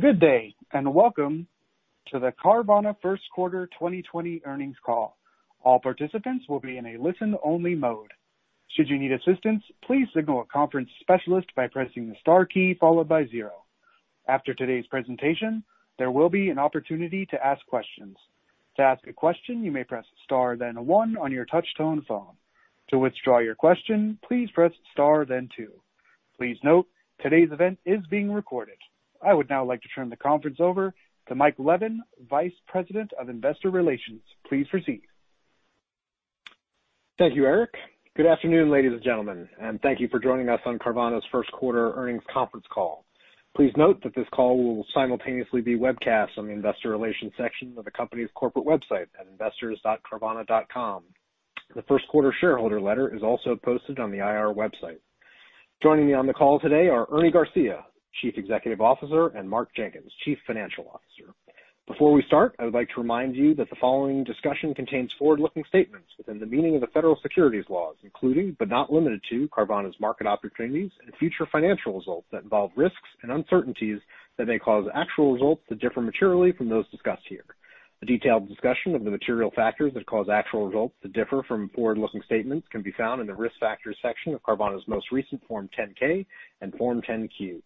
Good day, and welcome to the Carvana first quarter 2020 earnings call. All participants will be in a listen-only mode. Should you need assistance, please signal a conference specialist by pressing the star key followed by zero. After today's presentation, there will be an opportunity to ask questions. To ask a question, you may press star, then one on your touch-tone phone. To withdraw your question, please press star, then two. Please note, today's event is being recorded. I would now like to turn the conference over to Mike Levin, Vice President of Investor Relations. Please proceed. Thank you, Eric. Good afternoon, ladies and gentlemen, and thank you for joining us on Carvana's first quarter earnings conference call. Please note that this call will simultaneously be webcast on the investor relations section of the company's corporate website at investors.carvana.com. The first quarter shareholder letter is also posted on the IR website. Joining me on the call today are Ernie Garcia, Chief Executive Officer, and Mark Jenkins, Chief Financial Officer. Before we start, I would like to remind you that the following discussion contains forward-looking statements within the meaning of the federal securities laws, including, but not limited to Carvana's market opportunities and future financial results that involve risks and uncertainties that may cause actual results to differ materially from those discussed here. A detailed discussion of the material factors that cause actual results to differ from forward-looking statements can be found in the Risk Factors section of Carvana's most recent Form 10-K and Form 10-Q.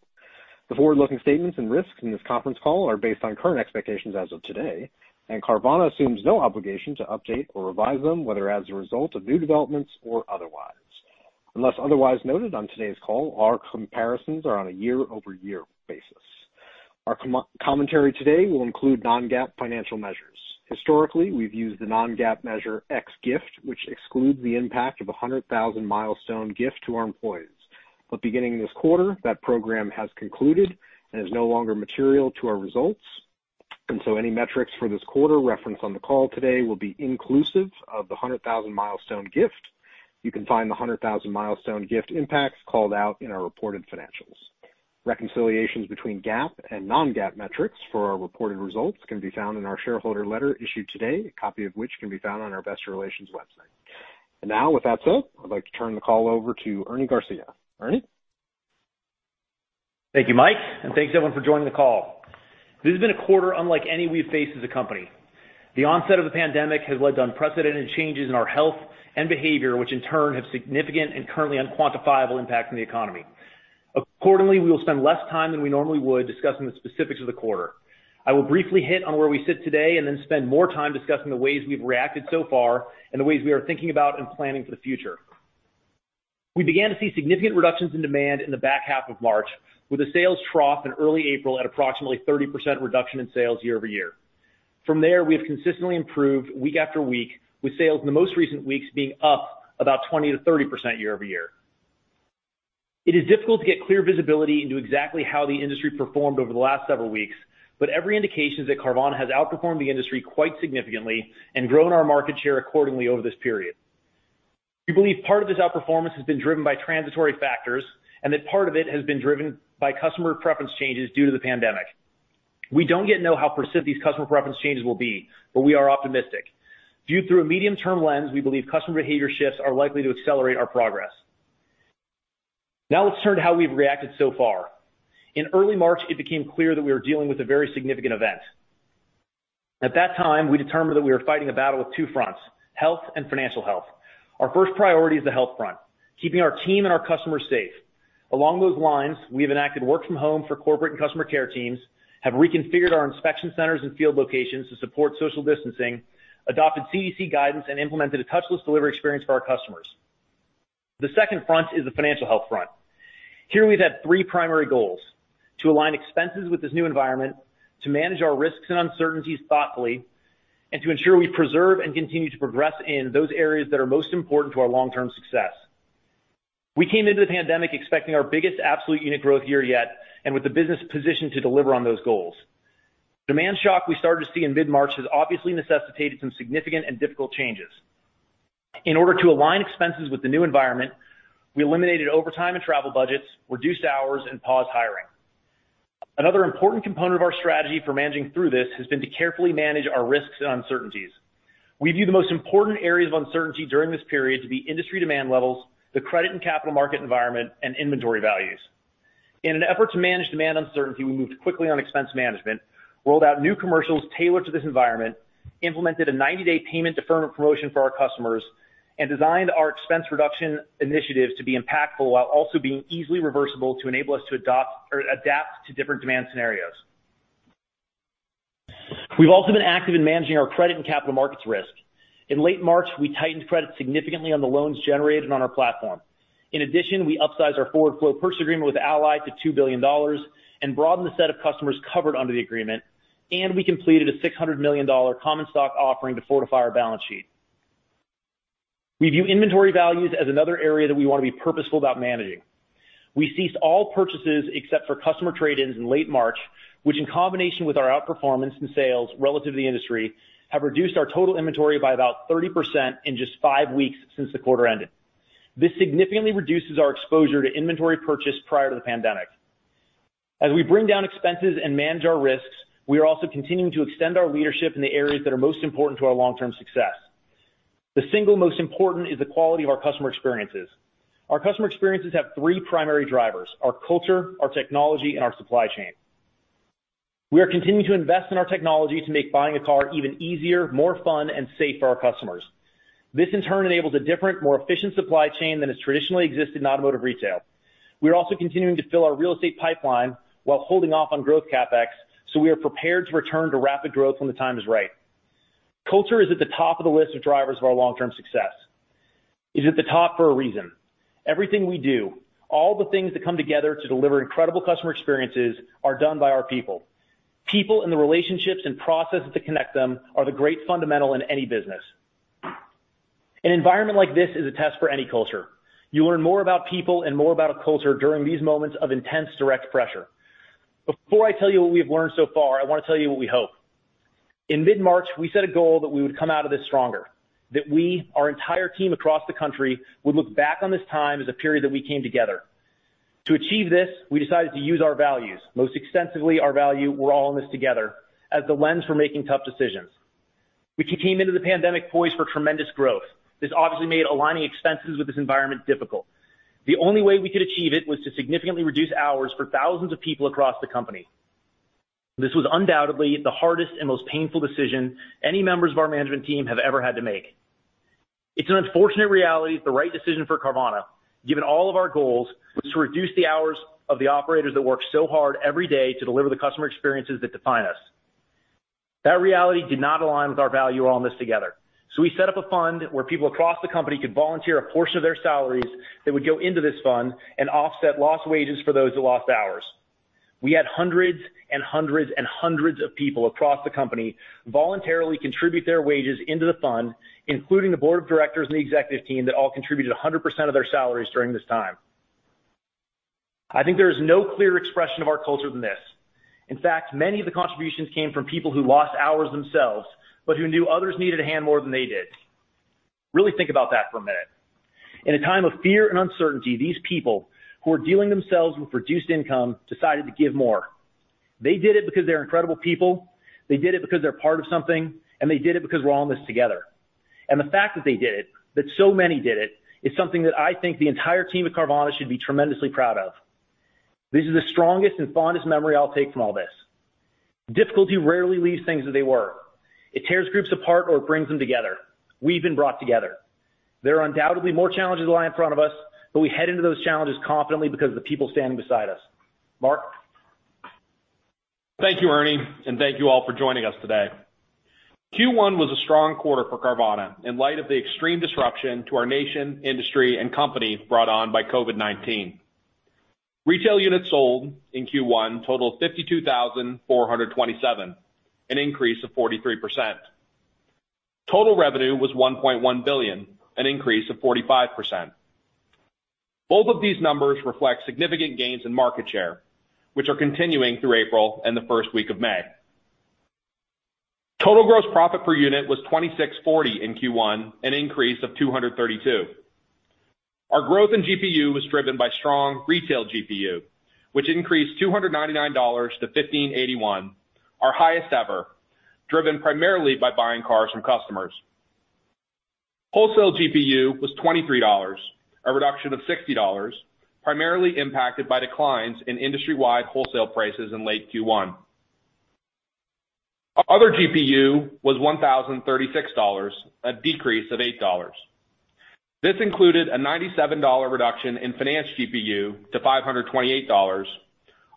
The forward-looking statements and risks in this conference call are based on current expectations as of today, and Carvana assumes no obligation to update or revise them, whether as a result of new developments or otherwise. Unless otherwise noted on today's call, our comparisons are on a year-over-year basis. Our commentary today will include non-GAAP financial measures. Historically, we've used the non-GAAP measure ex-Gift, which excludes the impact of 100,000-Milestone Gift to our employees. Beginning this quarter, that program has concluded and is no longer material to our results. Any metrics for this quarter referenced on the call today will be inclusive of the 100,000-Milestone Gift. You can find the 100,000-Milestone Gift impacts called out in our reported financials. Reconciliations between GAAP and non-GAAP metrics for our reported results can be found in our shareholder letter issued today, a copy of which can be found on our investor relations website. Now, with that said, I'd like to turn the call over to Ernie Garcia. Ernie? Thank you, Mike, and thanks, everyone, for joining the call. This has been a quarter unlike any we've faced as a company. The onset of the pandemic has led to unprecedented changes in our health and behavior, which in turn have significant and currently unquantifiable impact on the economy. Accordingly, we will spend less time than we normally would discussing the specifics of the quarter. I will briefly hit on where we sit today and then spend more time discussing the ways we've reacted so far and the ways we are thinking about and planning for the future. We began to see significant reductions in demand in the back half of March, With a sales trough in early April at approximately 30% reduction in sales year-over-year. From there, we have consistently improved week after week, with sales in the most recent weeks being up about 20%-30% year-over-year. It is difficult to get clear visibility into exactly how the industry performed over the last several weeks, every indication is that Carvana has outperformed the industry quite significantly and grown our market share accordingly over this period. We believe part of this outperformance has been driven by transitory factors, that part of it has been driven by customer preference changes due to the pandemic. We don't yet know how persistent these customer preference changes will be, we are optimistic. Viewed through a medium-term lens, we believe customer behavior shifts are likely to accelerate our progress. Let's turn to how we've reacted so far. In early March, it became clear that we were dealing with a very significant event. At that time, we determined that we were fighting a battle with two fronts, Health and Financial Health. Our first priority is the Health front, keeping our team and our customers safe. Along those lines, we have enacted work from home for corporate and customer care teams, have reconfigured our inspection centers and field locations to support social distancing, adopted CDC guidance, and implemented a Touchless Delivery experience for our customers. The second front is the Financial Health front. Here, we've had three primary goals, to align expenses with this new environment, to manage our risks and uncertainties thoughtfully, and to ensure we preserve and continue to progress in those areas that are most important to our long-term success. We came into the pandemic expecting our biggest absolute unit growth year yet and with the business positioned to deliver on those goals. Demand shock we started to see in mid-March has obviously necessitated some significant and difficult changes. In order to align expenses with the new environment, we eliminated overtime and travel budgets, reduced hours, and paused hiring. Another important component of our strategy for managing through this has been to carefully manage our risks and uncertainties. We view the most important areas of uncertainty during this period to be industry demand levels, the credit and capital market environment, and inventory values. In an effort to manage demand uncertainty, we moved quickly on expense management, rolled out new commercials tailored to this environment, implemented a 90-day payment deferment promotion for our customers, and designed our expense reduction initiatives to be impactful while also being easily reversible to enable us to adapt to different demand scenarios. We've also been active in managing our credit and capital markets risk. In late March, we tightened credit significantly on the loans generated on our platform. In addition, we upsized our forward flow purchase agreement with Ally to $2 billion and broadened the set of customers covered under the agreement, and we completed a $600 million common stock offering to fortify our balance sheet. We view inventory values as another area that we want to be purposeful about managing. We ceased all purchases except for customer trade-ins in late March, which in combination with our outperformance and sales relative to the industry, have reduced our total inventory by about 30% in just five weeks since the quarter ended. This significantly reduces our exposure to inventory purchased prior to the pandemic. As we bring down expenses and manage our risks, we are also continuing to extend our leadership in the areas that are most important to our long-term success. The single most important is the quality of our customer experiences. Our customer experiences have three primary drivers, our culture, our technology, and our supply chain. We are continuing to invest in our technology to make buying a car even easier, more fun, and safe for our customers. This, in turn, enables a different, more efficient supply chain than has traditionally existed in automotive retail. We're also continuing to fill our real estate pipeline while holding off on growth CapEx, so we are prepared to return to rapid growth when the time is right. Culture is at the top of the list of drivers of our long-term success. It's at the top for a reason. Everything we do, all the things that come together to deliver incredible customer experiences, are done by our people. People and the relationships and processes that connect them are the great fundamental in any business. An environment like this is a test for any culture. You learn more about people and more about a culture during these moments of intense, direct pressure. Before I tell you what we have learned so far, I want to tell you what we hope. In mid-March, we set a goal that we would come out of this stronger, that we, our entire team across the country, would look back on this time as a period that we came together. To achieve this, we decided to use our values, most extensively our value, We're All In This Together, as the lens for making tough decisions. We came into the pandemic poised for tremendous growth. This obviously made aligning expenses with this environment difficult. The only way we could achieve it was to significantly reduce hours for thousands of people across the company. This was undoubtedly the hardest and most painful decision any members of our management team have ever had to make. It's an unfortunate reality that the right decision for Carvana, given all of our goals, was to reduce the hours of the operators that work so hard every day to deliver the customer experiences that define us. That reality did not align with our value, We're All in This Together. We set up a fund where people across the company could volunteer a portion of their salaries that would go into this fund and offset lost wages for those who lost hours. We had hundreds and hundreds and hundreds of people across the company voluntarily contribute their wages into the fund, including the Board of Directors and the Executive Team that all contributed 100% of their salaries during this time. I think there is no clearer expression of our culture than this. In fact, many of the contributions came from people who lost hours themselves, but who knew others needed a hand more than they did. Really think about that for a minute. In a time of fear and uncertainty, these people, who are dealing themselves with reduced income, decided to give more. They did it because they're incredible people, they did it because they're part of something, and they did it because we're all in this together. The fact that they did it, that so many did it, is something that I think the entire team at Carvana should be tremendously proud of. This is the strongest and fondest memory I'll take from all this. Difficulty rarely leaves things as they were. It tears groups apart or it brings them together. We've been brought together. There are undoubtedly more challenges that lie in front of us, but we head into those challenges confidently because of the people standing beside us. Mark? Thank you, Ernie, and thank you all for joining us today. Q1 was a strong quarter for Carvana in light of the extreme disruption to our nation, industry, and company brought on by COVID-19. Retail units sold in Q1 totaled 52,427, an increase of 43%. Total revenue was $1.1 billion, an increase of 45%. Both of these numbers reflect significant gains in market share, which are continuing through April and the first week of May. Total gross profit per unit was $2,640 in Q1, an increase of $232. Our growth in GPU was driven by strong retail GPU, which increased $299 to $1,581, our highest ever, driven primarily by buying cars from customers. Wholesale GPU was $23, a reduction of $60, primarily impacted by declines in industry-wide wholesale prices in late Q1. Other GPU was $1,036, a decrease of $8. This included a $97 reduction in finance GPU to $528,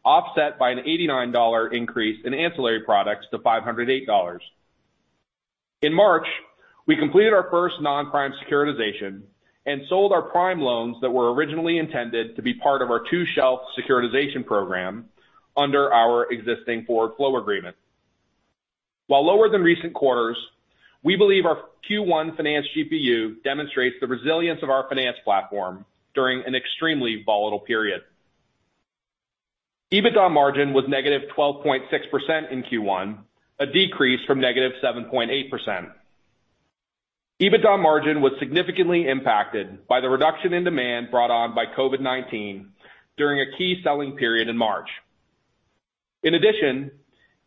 offset by an $89 increase in ancillary products to $508. In March, we completed our first nonprime securitization and sold our prime loans that were originally intended to be part of our two-shelf securitization program under our existing forward flow agreement. While lower than recent quarters, we believe our Q1 finance GPU demonstrates the resilience of our finance platform during an extremely volatile period. EBITDA margin was -12.6% in Q1, a decrease from -7.8%. EBITDA margin was significantly impacted by the reduction in demand brought on by COVID-19 during a key selling period in March. In addition,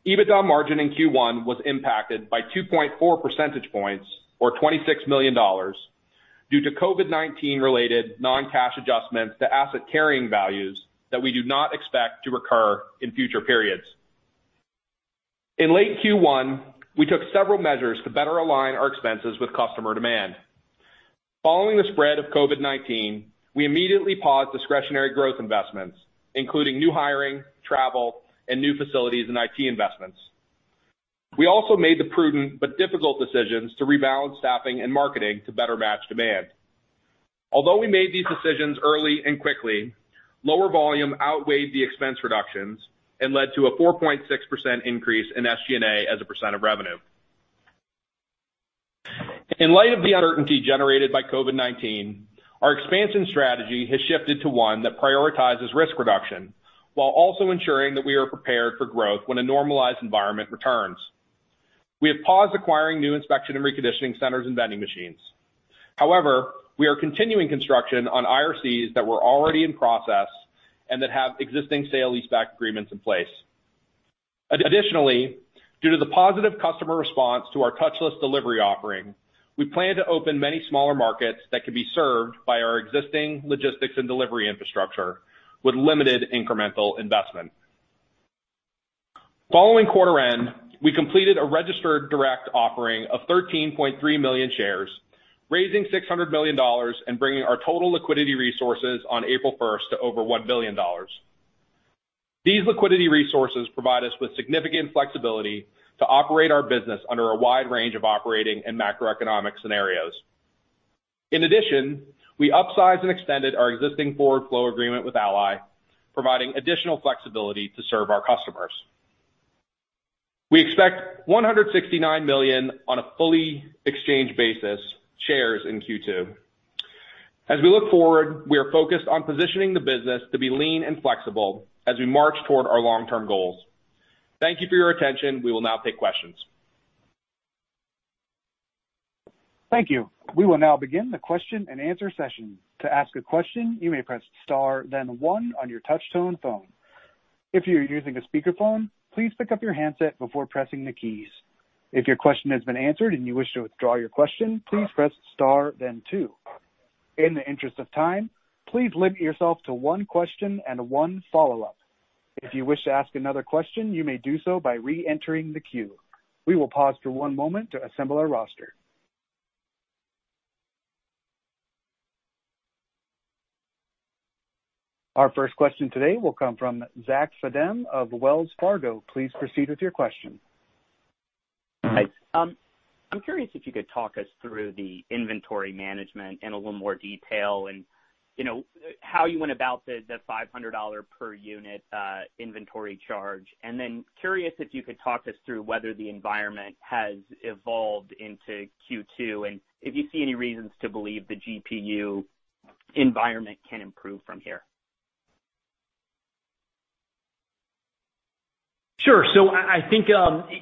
EBITDA margin in Q1 was impacted by 2.4 percentage points or $26 million due to COVID-19 related non-cash adjustments to asset carrying values that we do not expect to recur in future periods. In late Q1, we took several measures to better align our expenses with customer demand. Following the spread of COVID-19, we immediately paused discretionary growth investments, including new hiring, travel, and new facilities and IT investments. We also made the prudent but difficult decisions to rebalance staffing and marketing to better match demand. Although we made these decisions early and quickly, lower volume outweighed the expense reductions and led to a 4.6% increase in SG&A as a percent of revenue. In light of the uncertainty generated by COVID-19, our expansion strategy has shifted to one that prioritizes risk reduction while also ensuring that we are prepared for growth when a normalized environment returns. We have paused acquiring new inspection and reconditioning centers and vending machines. However, we are continuing construction on IRCs that were already in process and that have existing sale leaseback agreements in place. Additionally, due to the positive customer response to our Touchless Delivery offering, we plan to open many smaller markets that can be served by our existing logistics and delivery infrastructure with limited incremental investment. Following quarter end, we completed a registered direct offering of 13.3 million shares, raising $600 million and bringing our total liquidity resources on April 1st to over $1 billion. These liquidity resources provide us with significant flexibility to operate our business under a wide range of operating and macroeconomic scenarios. We upsized and extended our existing forward flow agreement with Ally, providing additional flexibility to serve our customers. We expect 169 million on a fully exchange basis, shares in Q2. We are focused on positioning the business to be lean and flexible as we march toward our long-term goals. Thank you for your attention. We will now take questions. Thank you. We will now begin the question and answer session. To ask a question, you may press star then one on your touch-tone phone. If you're using a speakerphone, please pick up your handset before pressing the keys. If your question has been answered and you wish to withdraw your question, please press star then two. In the interest of time, please limit yourself to one question and one follow-up. If you wish to ask another question, you may do so by reentering the queue. We will pause for one moment to assemble our roster. Our first question today will come from Zach Fadem of Wells Fargo. Please proceed with your question. Hi. I'm curious if you could talk us through the inventory management in a little more detail, and how you went about the $500 per unit inventory charge. Curious if you could talk us through whether the environment has evolved into Q2, and if you see any reasons to believe the GPU environment can improve from here. Sure. I think,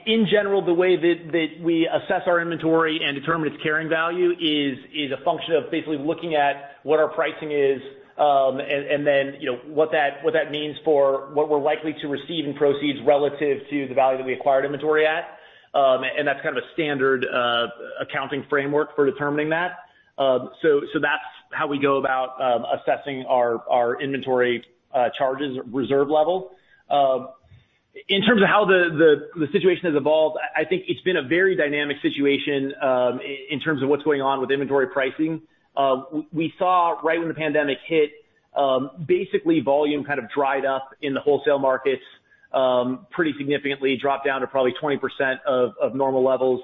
in general, the way that we assess our inventory and determine its carrying value is a function of basically looking at what our pricing is, and then what that means for what we're likely to receive in proceeds relative to the value that we acquired inventory at. That's kind of a standard accounting framework for determining that. That's how we go about assessing our inventory charges reserve level. In terms of how the situation has evolved, I think it's been a very dynamic situation in terms of what's going on with inventory pricing. We saw right when the pandemic hit, basically volume kind of dried up in the wholesale markets pretty significantly, dropped down to probably 20% of normal levels.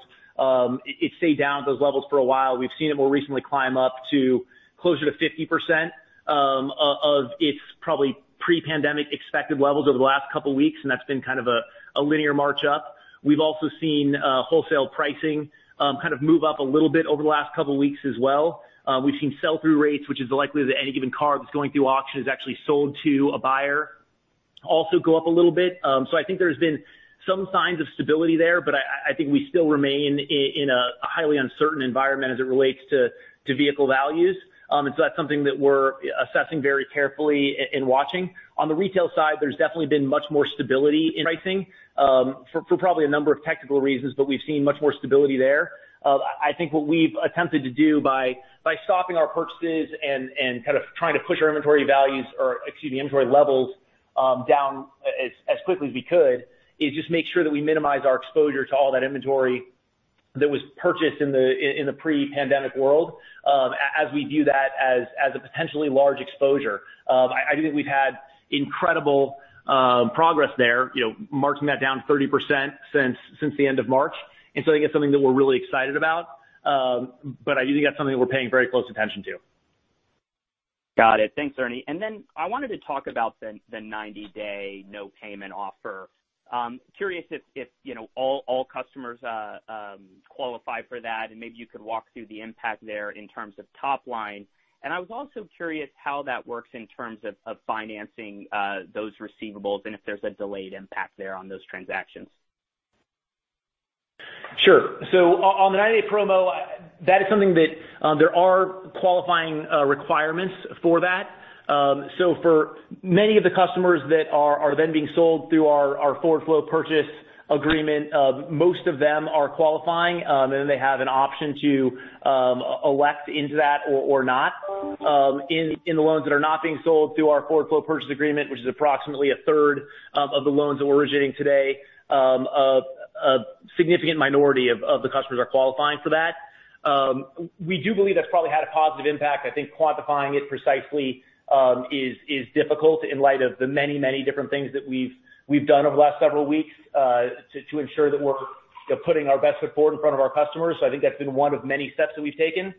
It stayed down at those levels for a while. We've seen it more recently climb up to closer to 50% of its probably pre-pandemic expected levels over the last couple of weeks, that's been kind of a linear march up. We've also seen wholesale pricing kind of move up a little bit over the last couple of weeks as well. We've seen sell-through rates, which is the likelihood that any given car that's going through auction is actually sold to a buyer, also go up a little bit. I think there's been some signs of stability there, but I think we still remain in a highly uncertain environment as it relates to vehicle values. That's something that we're assessing very carefully and watching. On the retail side, there's definitely been much more stability in pricing, for probably a number of technical reasons, but we've seen much more stability there. I think what we've attempted to do by stopping our purchases and kind of trying to push our inventory values or, excuse me, inventory levels down as quickly as we could, is just make sure that we minimize our exposure to all that inventory that was purchased in the pre-pandemic world, as we view that as a potentially large exposure. I do think we've had incredible progress there, marching that down 30% since the end of March. I think it's something that we're really excited about. I do think that's something that we're paying very close attention to. Got it. Thanks, Ernie. I wanted to talk about the 90-day no payment offer. Curious if all customers qualify for that, and maybe you could walk through the impact there in terms of top line. I was also curious how that works in terms of financing those receivables and if there's a delayed impact there on those transactions. Sure. On the 90-day promo, that is something that there are qualifying requirements for that. For many of the customers that are then being sold through our forward flow purchase agreement, most of them are qualifying, and then they have an option to elect into that or not. In the loans that are not being sold through our forward flow purchase agreement, which is approximately a third of the loans that we're originating today, a significant minority of the customers are qualifying for that. We do believe that's probably had a positive impact. I think quantifying it precisely is difficult in light of the many, many different things that we've done over the last several weeks to ensure that we're putting our best foot forward in front of our customers. I think that's been one of many steps that we've taken.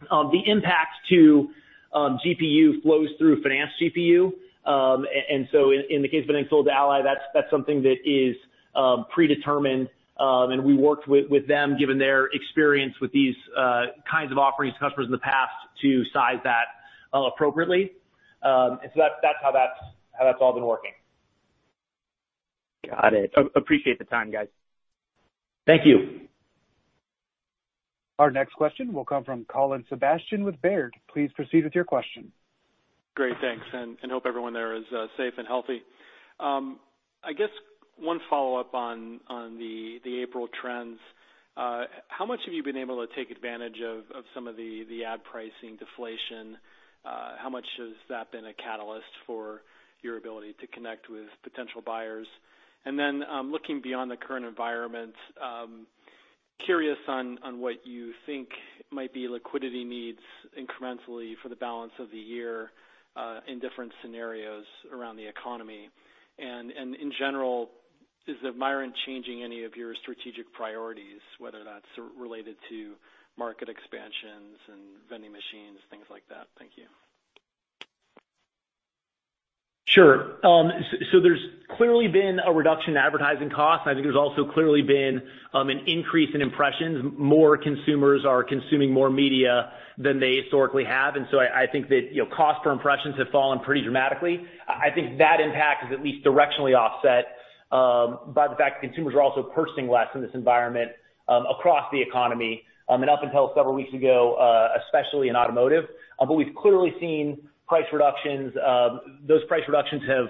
The impact to GPU flows through finance GPU. In the case of being sold to Ally, that's something that is predetermined. We worked with them, given their experience with these kinds of offerings to customers in the past, to size that appropriately. That's how that's all been working. Got it. Appreciate the time, guys. Thank you. Our next question will come from Colin Sebastian with Baird. Please proceed with your question. Great. Thanks. Hope everyone there is safe and healthy. I guess one follow-up on the April trends. How much have you been able to take advantage of some of the ad pricing deflation? How much has that been a catalyst for your ability to connect with potential buyers? Looking beyond the current environment, curious on what you think might be liquidity needs incrementally for the balance of the year, in different scenarios around the economy. In general, is Myron changing any of your strategic priorities, whether that's related to market expansions and vending machines, things like that? Thank you. Sure. There's clearly been a reduction in advertising costs, and I think there's also clearly been an increase in impressions. More consumers are consuming more media than they historically have. I think that cost per impressions have fallen pretty dramatically. I think that impact is at least directionally offset by the fact that consumers are also purchasing less in this environment, across the economy, and up until several weeks ago, especially in automotive. We've clearly seen price reductions. Those price reductions have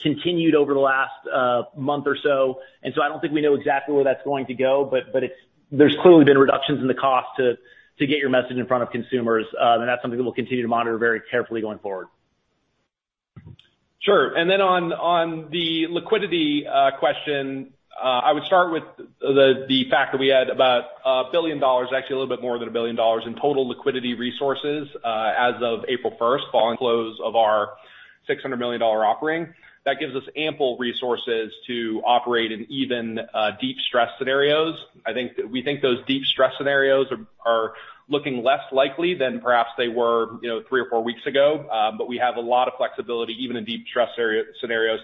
continued over the last month or so, and so I don't think we know exactly where that's going to go, but there's clearly been reductions in the cost to get your message in front of consumers. That's something that we'll continue to monitor very carefully going forward. Sure. On the liquidity question, I would start with the fact that we had about $1 billion, actually a little bit more than $1 billion in total liquidity resources as of April 1st, following close of our $600 million offering. That gives us ample resources to operate in even deep stress scenarios. We think those deep stress scenarios are looking less likely than perhaps they were three or four weeks ago. We have a lot of flexibility, even in deep stress scenarios,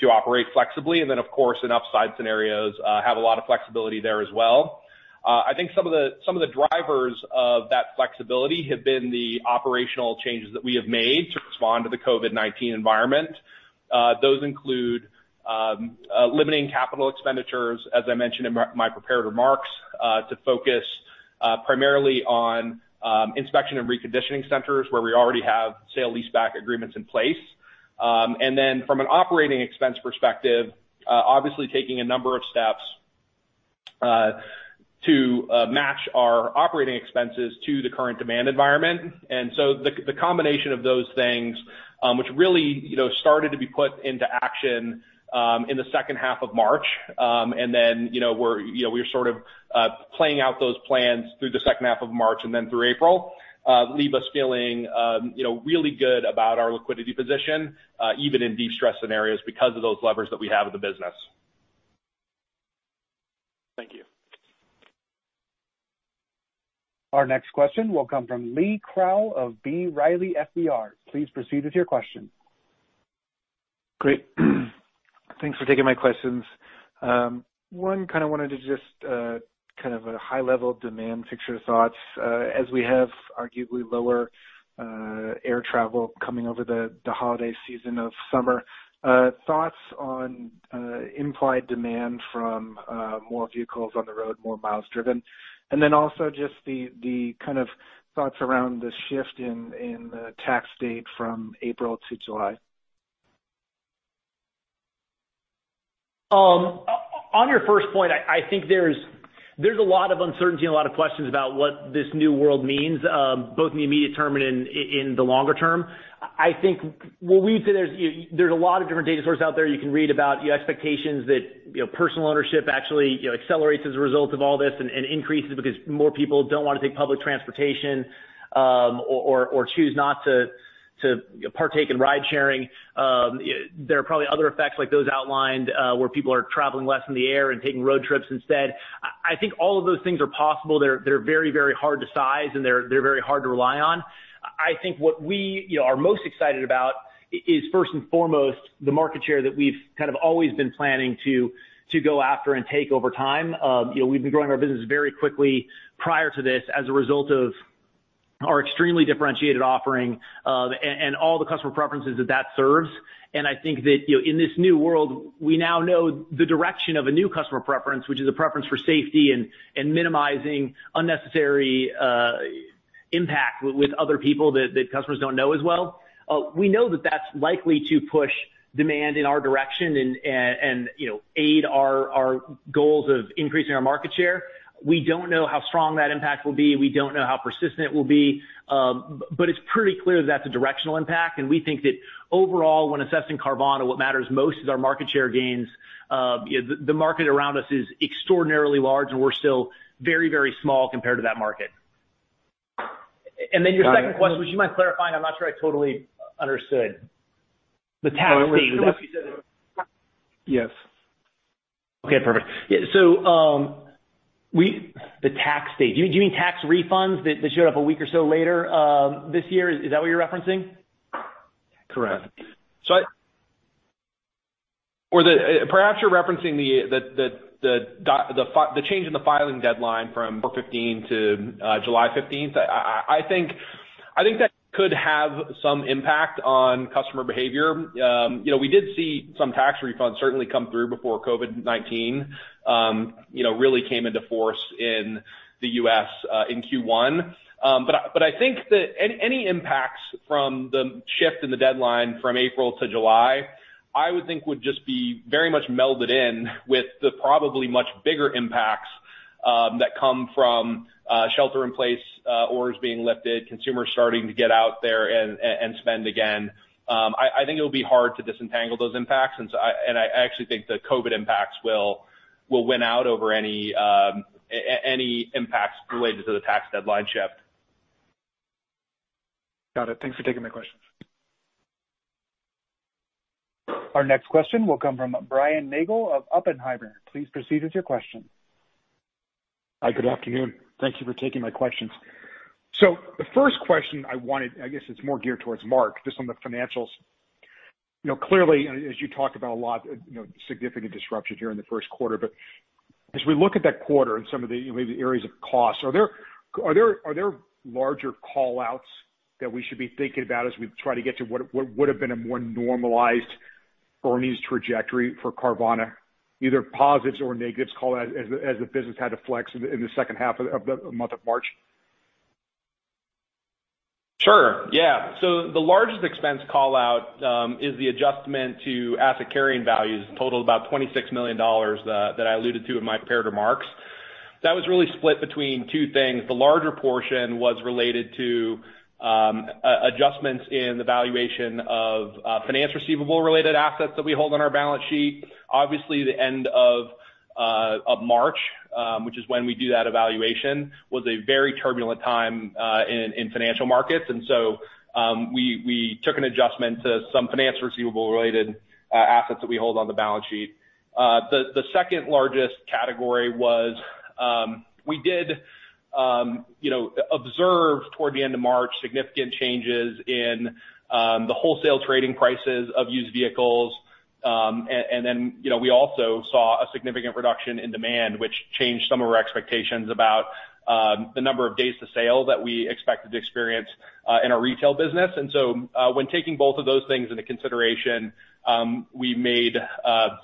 to operate flexibly. Then, of course, in upside scenarios, have a lot of flexibility there as well. I think some of the drivers of that flexibility have been the operational changes that we have made to respond to the COVID-19 environment. Those include limiting CapEx, as I mentioned in my prepared remarks, to focus primarily on inspection and reconditioning centers where we already have sale leaseback agreements in place. From an operating expense perspective, obviously taking a number of steps to match our operating expenses to the current demand environment. The combination of those things, which really started to be put into action in the second half of March. We're playing out those plans through the second half of March and then through April, leave us feeling really good about our liquidity position, even in deep stress scenarios because of those levers that we have in the business. Thank you. Our next question will come from Lee Krowl of B. Riley FBR. Please proceed with your question. Great. Thanks for taking my questions. One, wanted to just, a high level demand picture thoughts, as we have arguably lower air travel coming over the holiday season of summer, thoughts on implied demand from more vehicles on the road, more miles driven, also just the thoughts around the shift in the tax date from April to July? On your first point, I think there's a lot of uncertainty and a lot of questions about what this new world means, both in the immediate term and in the longer term. I think what we'd say, there's a lot of different data sources out there you can read about expectations that personal ownership actually accelerates as a result of all this and increases because more people don't want to take public transportation, or choose not to partake in ride sharing. There are probably other effects like those outlined, where people are traveling less in the air and taking road trips instead. I think all of those things are possible. They're very, very hard to size and they're very hard to rely on. I think what we are most excited about is first and foremost, the market share that we've always been planning to go after and take over time. We've been growing our business very quickly prior to this as a result of our extremely differentiated offering, and all the customer preferences that that serves. I think that in this new world, we now know the direction of a new customer preference, which is a preference for safety and minimizing unnecessary impact with other people that customers don't know as well. We know that that's likely to push demand in our direction and aid our goals of increasing our market share. We don't know how strong that impact will be. We don't know how persistent it will be. It's pretty clear that's a directional impact, and we think that overall, when assessing Carvana, what matters most is our market share gains. The market around us is extraordinarily large, and we're still very, very small compared to that market. Then your second question, would you mind clarifying? I'm not sure I totally understood the tax date. Yes. Okay, perfect. The tax date? Do you mean tax refunds that showed up a week or so later this year? Is that what you're referencing? Correct. Perhaps you're referencing the change in the filing deadline from April 15 to July 15th. I think that could have some impact on customer behavior. We did see some tax refunds certainly come through before COVID-19 really came into force in the U.S. in Q1. I think that any impacts from the shift in the deadline from April to July, I would think would just be very much melded in with the probably much bigger impacts that come from shelter in place orders being lifted, consumers starting to get out there and spend again. I think it'll be hard to disentangle those impacts. I actually think the COVID impacts will win out over any impacts related to the tax deadline shift. Got it. Thanks for taking my questions. Our next question will come from Brian Nagel of Oppenheimer. Please proceed with your question. Hi, good afternoon. Thank you for taking my questions. The first question, I guess it's more geared towards Mark, just on the financials. Clearly, as you talked about a lot, significant disruption here in the first quarter. As we look at that quarter and some of the maybe areas of cost, are there larger call-outs that we should be thinking about as we try to get to what would've been a more normalized earnings trajectory for Carvana, either positives or negatives callouts as the business had to flex in the second half of the month of March? Sure, yeah. The largest expense callout is the adjustment to asset carrying values totaling about $26 million that I alluded to in my prepared remarks. That was really split between two things. The larger portion was related to adjustments in the valuation of finance receivable related assets that we hold on our balance sheet. Obviously, the end of March, which is when we do that evaluation, was a very turbulent time in financial markets. We took an adjustment to some finance receivable related assets that we hold on the balance sheet. The second-largest category was, we did observe toward the end of March significant changes in the wholesale trading prices of used vehicles. We also saw a significant reduction in demand, which changed some of our expectations about the number of days to sale that we expected to experience in our retail business. When taking both of those things into consideration, we made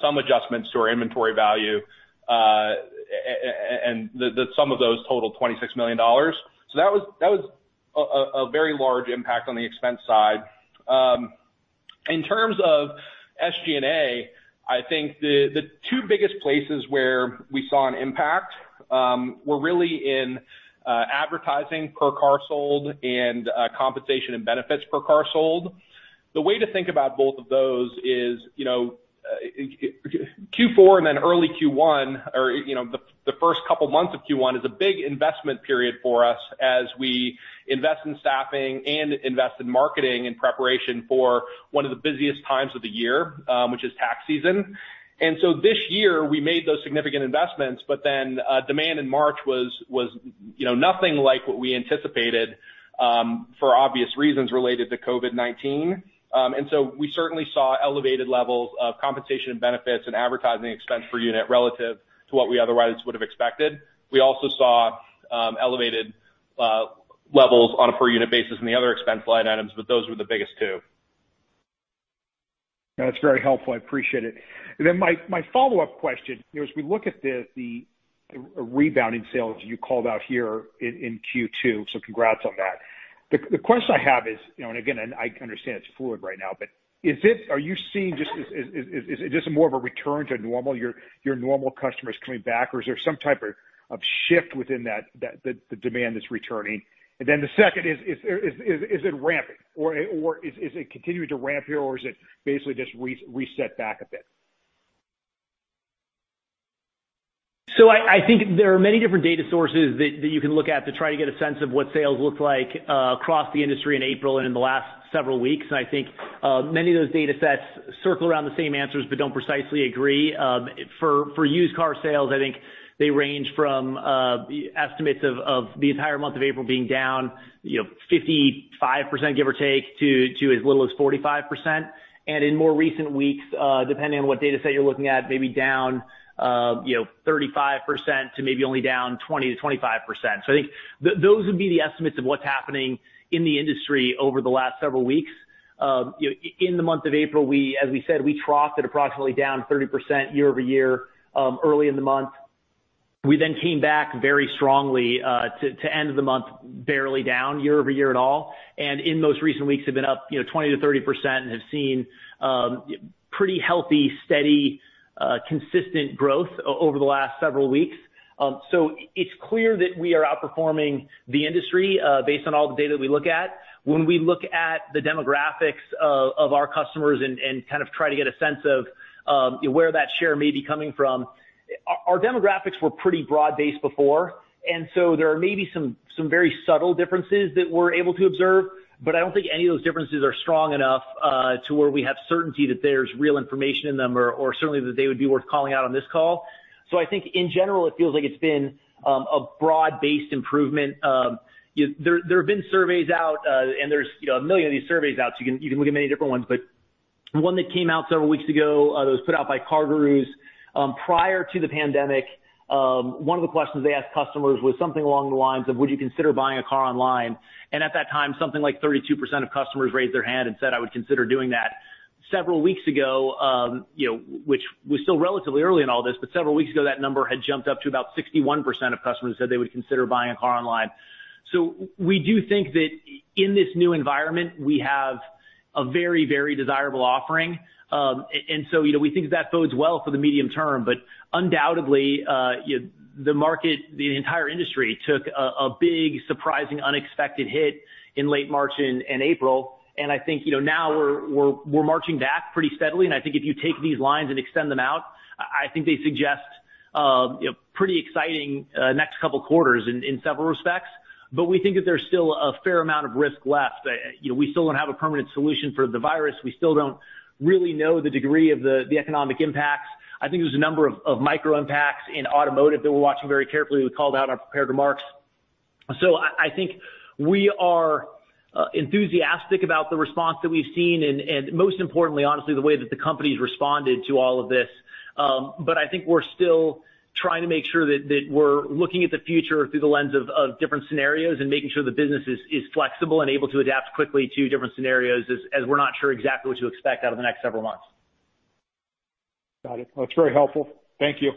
some adjustments to our inventory value, and the sum of those totaled $26 million. That was a very large impact on the expense side. In terms of SG&A, I think the two biggest places where we saw an impact were really in advertising per car sold and compensation and benefits per car sold. The way to think about both of those is Q4 and then early Q1, or the first couple months of Q1, is a big investment period for us as we invest in staffing and invest in marketing in preparation for one of the busiest times of the year, which is tax season. This year, we made those significant investments, but then demand in March was nothing like what we anticipated for obvious reasons related to COVID-19. We certainly saw elevated levels of compensation and benefits and advertising expense per unit relative to what we otherwise would've expected. We also saw elevated levels on a per unit basis in the other expense line items, but those were the biggest two. That's very helpful. I appreciate it. Then my follow-up question, as we look at the rebounding sales you called out here in Q2, so congrats on that. The question I have is, again, I understand it's fluid right now, are you seeing just is this more of a return to normal, your normal customers coming back? Is there some type of shift within the demand that's returning? The second is it ramping? Is it continuing to ramp here, or is it basically just reset back a bit? I think there are many different data sources that you can look at to try to get a sense of what sales look like across the industry in April and in the last several weeks. I think many of those datasets circle around the same answers but don't precisely agree. For used car sales, I think they range from estimates of the entire month of April being down 55%, give or take, to as little as 45%. In more recent weeks, depending on what dataset you're looking at, maybe down 35% to maybe only down 20%-25%. I think those would be the estimates of what's happening in the industry over the last several weeks. In the month of April, as we said, we troughed at approximately down 30% year-over-year early in the month. We came back very strongly to end of the month, barely down year-over-year at all. In most recent weeks, have been up 20%-30% and have seen pretty healthy, steady, consistent growth over the last several weeks. It's clear that we are outperforming the industry based on all the data we look at. When we look at the demographics of our customers and kind of try to get a sense of where that share may be coming from, our demographics were pretty broad-based before, and so there are maybe some very subtle differences that we're able to observe, but I don't think any of those differences are strong enough to where we have certainty that there's real information in them or certainly that they would be worth calling out on this call. I think in general, it feels like it's been a broad-based improvement. There have been surveys out, there's 1 million of these surveys out, you can look at many different ones. One that came out several weeks ago that was put out by CarGurus. Prior to the pandemic, one of the questions they asked customers was something along the lines of, would you consider buying a car online? At that time, something like 32% of customers raised their hand and said, "I would consider doing that." Several weeks ago, which was still relatively early in all this, that number had jumped up to about 61% of customers said they would consider buying a car online. We do think that in this new environment, we have a very, very desirable offering. We think that bodes well for the medium term, but undoubtedly, the market, the entire industry took a big, surprising, unexpected hit in late March and April. I think now we're marching back pretty steadily. I think if you take these lines and extend them out, I think they suggest pretty exciting next couple of quarters in several respects. We think that there's still a fair amount of risk left. We still don't have a permanent solution for the virus. We still don't really know the degree of the economic impacts. I think there's a number of micro impacts in automotive that we're watching very carefully. We called out our prepared remarks. I think we are enthusiastic about the response that we've seen, and most importantly, honestly, the way that the company's responded to all of this. I think we're still trying to make sure that we're looking at the future through the lens of different scenarios and making sure the business is flexible and able to adapt quickly to different scenarios as we're not sure exactly what to expect out of the next several months. Got it. That's very helpful. Thank you.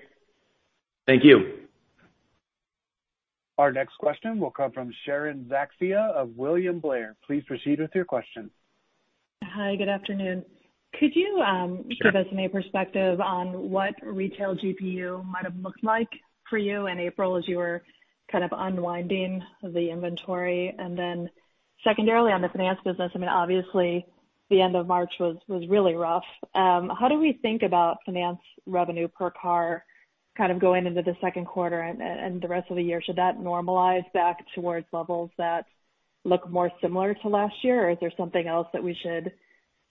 Thank you. Our next question will come from Sharon Zackfia of William Blair. Please proceed with your question. Hi, good afternoon. Sure give us any perspective on what retail GPU might have looked like for you in April as you were kind of unwinding the inventory? Secondarily on the finance business, I mean, obviously the end of March was really rough. How do we think about finance revenue per car kind of going into the second quarter and the rest of the year? Should that normalize back towards levels that look more similar to last year? Is there something else that we should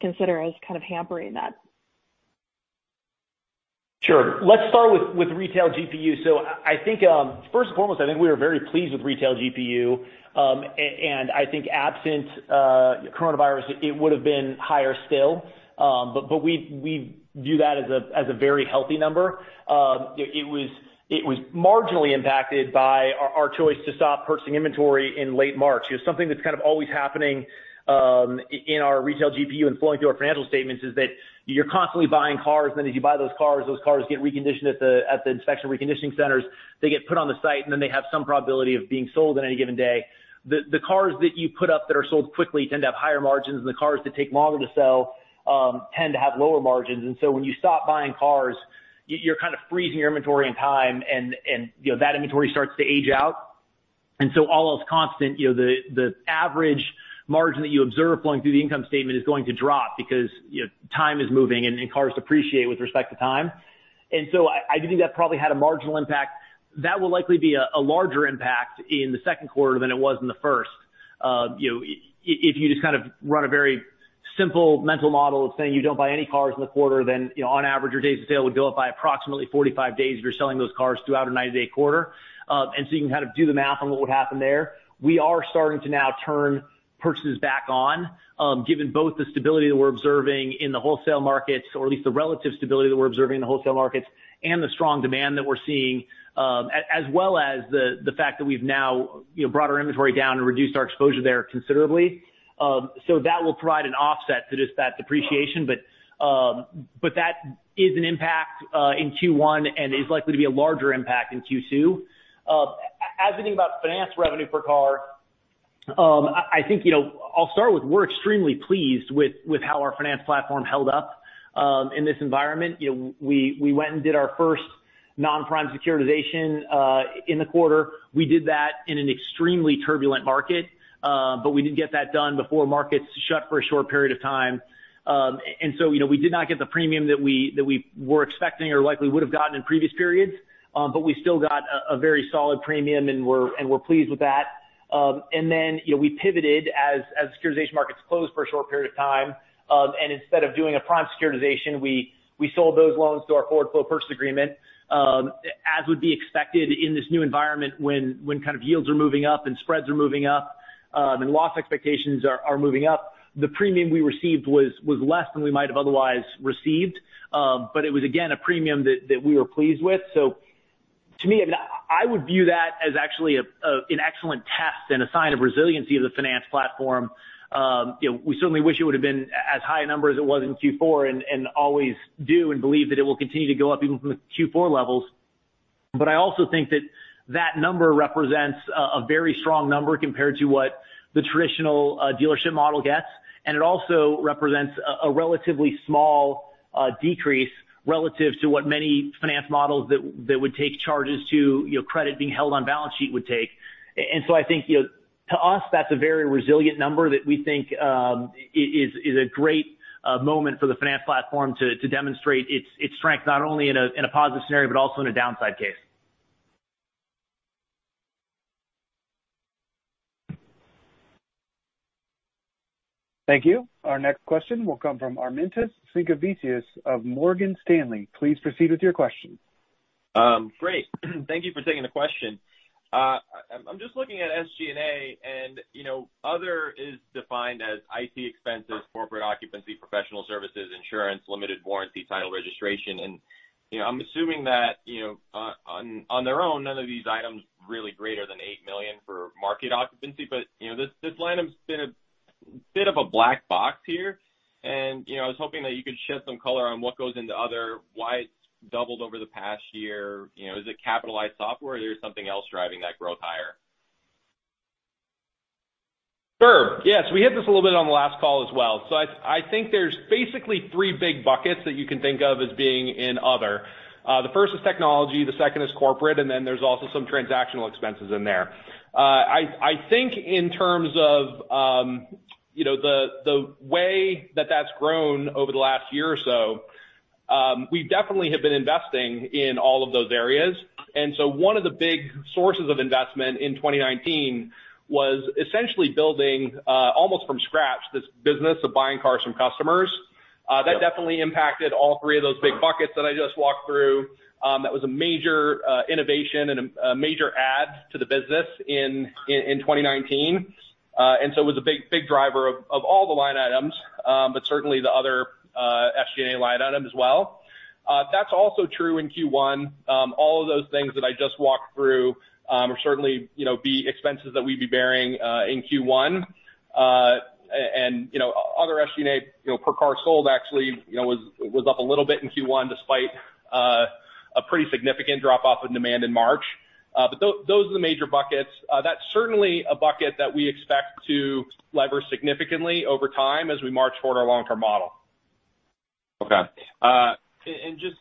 consider as kind of hampering that? Sure. Let's start with retail GPU. I think first and foremost, I think we are very pleased with retail GPU. I think absent coronavirus, it would've been higher still. We view that as a very healthy number. It was marginally impacted by our choice to stop purchasing inventory in late March. Something that's kind of always happening in our retail GPU and flowing through our financial statements is that you're constantly buying cars, and then as you buy those cars, those cars get reconditioned at the Inspection Reconditioning Centers. They get put on the site, and then they have some probability of being sold on any given day. The cars that you put up that are sold quickly tend to have higher margins, and the cars that take longer to sell tend to have lower margins. When you stop buying cars, you're kind of freezing your inventory in time, and that inventory starts to age out. All else constant, the average margin that you observe flowing through the income statement is going to drop because time is moving and cars depreciate with respect to time. I do think that probably had a marginal impact. That will likely be a larger impact in the second quarter than it was in the first. If you just kind of run a very simple mental model of saying you don't buy any cars in the quarter, then on average, your days of sale would go up by approximately 45 days if you're selling those cars throughout a 90-day quarter. You can kind of do the math on what would happen there. We are starting to now turn purchases back on, given both the stability that we're observing in the wholesale markets, or at least the relative stability that we're observing in the wholesale markets, and the strong demand that we're seeing, as well as the fact that we've now brought our inventory down and reduced our exposure there considerably. That will provide an offset to just that depreciation. That is an impact in Q1 and is likely to be a larger impact in Q2. As we think about finance revenue per car, I think I'll start with we're extremely pleased with how our finance platform held up in this environment. We went and did our first nonprime securitization in the quarter. We did that in an extremely turbulent market. We did get that done before markets shut for a short period of time. We did not get the premium that we were expecting or likely would have gotten in previous periods. We still got a very solid premium, and we're pleased with that. We pivoted as securitization markets closed for a short period of time. Instead of doing a prime securitization, we sold those loans through our forward flow purchase agreement as would be expected in this new environment when kind of yields are moving up and spreads are moving up and loss expectations are moving up. The premium we received was less than we might have otherwise received. It was, again, a premium that we were pleased with. To me, I would view that as actually an excellent test and a sign of resiliency of the finance platform. We certainly wish it would've been as high a number as it was in Q4 and always do and believe that it will continue to go up even from the Q4 levels. I also think that that number represents a very strong number compared to what the traditional dealership model gets. It also represents a relatively small decrease relative to what many finance models that would take charges to credit being held on balance sheet would take. I think to us, that's a very resilient number that we think is a great moment for the finance platform to demonstrate its strength, not only in a positive scenario, but also in a downside case. Thank you. Our next question will come from Armintas Sinkevicius of Morgan Stanley. Please proceed with your question. Great. Thank you for taking the question. I'm just looking at SG&A, other is defined as IT expenses, corporate occupancy, professional services, insurance, limited warranty, title registration. I'm assuming that on their own, none of these items are really greater than $8 million for market occupancy. This line item's been a bit of a black box here. I was hoping that you could shed some color on what goes into other, why it's doubled over the past year. Is it capitalized software or there's something else driving that growth higher? Sure. Yes, we hit this a little bit on the last call as well. I think there's basically three big buckets that you can think of as being in other. The first is technology, the second is corporate, and then there's also some transactional expenses in there. I think in terms of the way that that's grown over the last year or so, we definitely have been investing in all of those areas. One of the big sources of investment in 2019 was essentially building almost from scratch this business of buying cars from customers. Yep. That definitely impacted all three of those big buckets that I just walked through. That was a major innovation and a major add to the business in 2019. It was a big driver of all the line items, but certainly the other SG&A line item as well. That's also true in Q1. All of those things that I just walked through are certainly the expenses that we'd be bearing in Q1. Other SG&A per car sold actually was up a little bit in Q1 despite a pretty significant drop-off in demand in March. Those are the major buckets. That's certainly a bucket that we expect to lever significantly over time as we march toward our long-term model. Okay. Just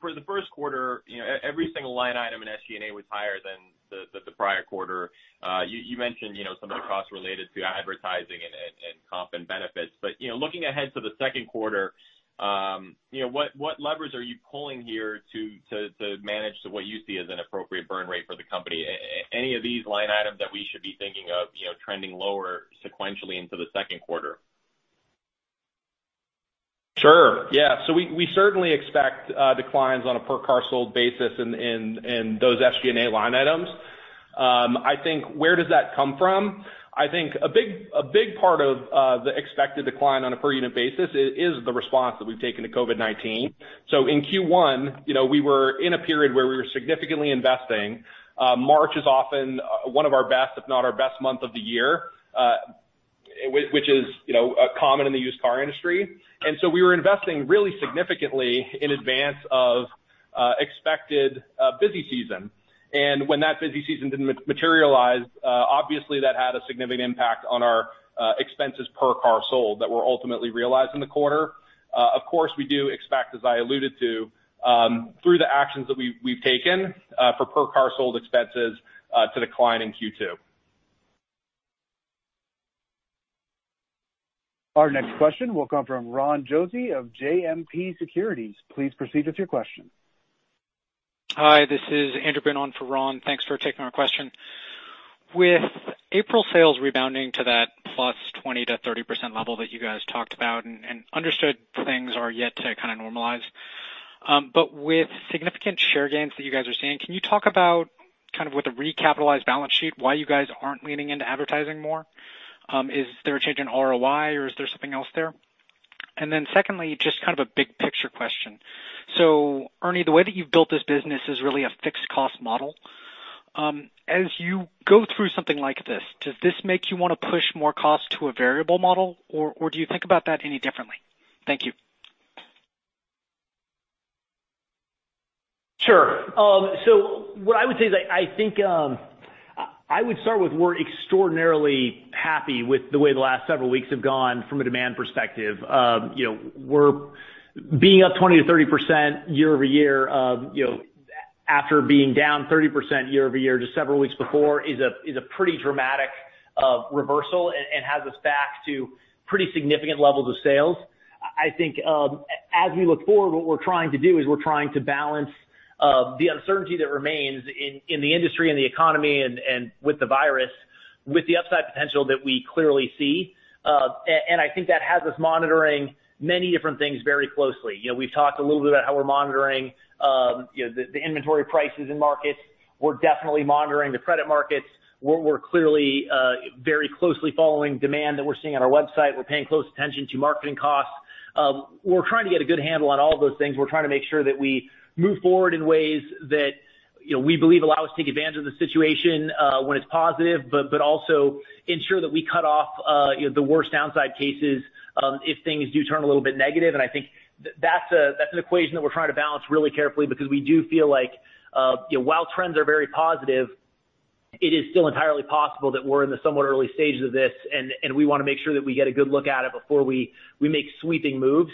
for the first quarter, every single line item in SG&A was higher than the prior quarter. You mentioned some of the costs related to advertising and comp and benefits. Looking ahead to the second quarter, what levers are you pulling here to manage to what you see as an appropriate burn rate for the company? Any of these line items that we should be thinking of trending lower sequentially into the second quarter? Sure. Yeah. We certainly expect declines on a per car sold basis in those SG&A line items. I think where does that come from? I think a big part of the expected decline on a per unit basis is the response that we've taken to COVID-19. In Q1, we were in a period where we were significantly investing. March is often one of our best, if not our best month of the year, which is common in the used car industry. We were investing really significantly in advance of expected busy season. When that busy season didn't materialize, obviously that had a significant impact on our expenses per car sold that were ultimately realized in the quarter. Of course, we do expect, as I alluded to, through the actions that we've taken for per car sold expenses to decline in Q2. Our next question will come from Ron Josey of JMP Securities. Please proceed with your question. Hi, this is Andrew Boone for Ron. Thanks for taking our question. With April sales rebounding to that +20%-30% level that you guys talked about, understood things are yet to kind of normalize. With significant share gains that you guys are seeing, can you talk about kind of with a recapitalized balance sheet why you guys aren't leaning into advertising more? Is there a change in ROI or is there something else there? Secondly, just kind of a big-picture question. Ernie, the way that you've built this business is really a fixed-cost model. As you go through something like this, does this make you want to push more cost to a variable model or do you think about that any differently? Thank you. Sure. What I would say is I think, I would start with we're extraordinarily happy with the way the last several weeks have gone from a demand perspective. Being up 20%-30% year-over-year after being down 30% year-over-year just several weeks before is a pretty dramatic reversal and has us back to pretty significant levels of sales. I think as we look forward, what we're trying to do is we're trying to balance the uncertainty that remains in the industry and the economy and with the virus with the upside potential that we clearly see. I think that has us monitoring many different things very closely. We've talked a little bit about how we're monitoring the inventory prices in markets. We're definitely monitoring the credit markets. We're clearly very closely following demand that we're seeing on our website. We're paying close attention to marketing costs. We're trying to get a good handle on all of those things. We're trying to make sure that we move forward in ways that we believe allow us to take advantage of the situation when it's positive, but also ensure that we cut off the worst downside cases if things do turn a little bit negative. I think that's an equation that we're trying to balance really carefully because we do feel like while trends are very positive, it is still entirely possible that we're in the somewhat early stages of this, and we want to make sure that we get a good look at it before we make sweeping moves.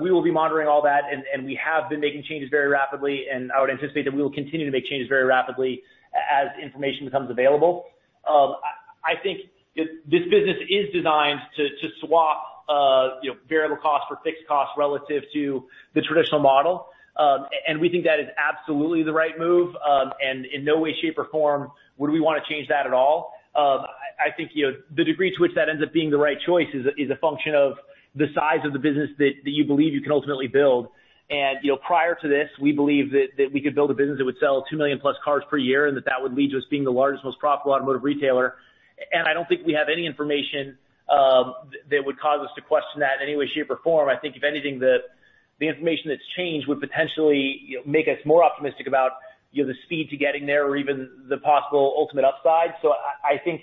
We will be monitoring all that, and we have been making changes very rapidly, and I would anticipate that we will continue to make changes very rapidly as information becomes available. I think this business is designed to swap variable costs for fixed costs relative to the traditional model. We think that is absolutely the right move, and in no way, shape, or form would we want to change that at all. I think the degree to which that ends up being the right choice is a function of the size of the business that you believe you can ultimately build. Prior to this, we believed that we could build a business that would sell two million plus cars per year, and that would lead to us being the largest, most profitable automotive retailer. I don't think we have any information that would cause us to question that in any way, shape, or form. I think if anything, the information that's changed would potentially make us more optimistic about the speed to getting there or even the possible ultimate upside. I think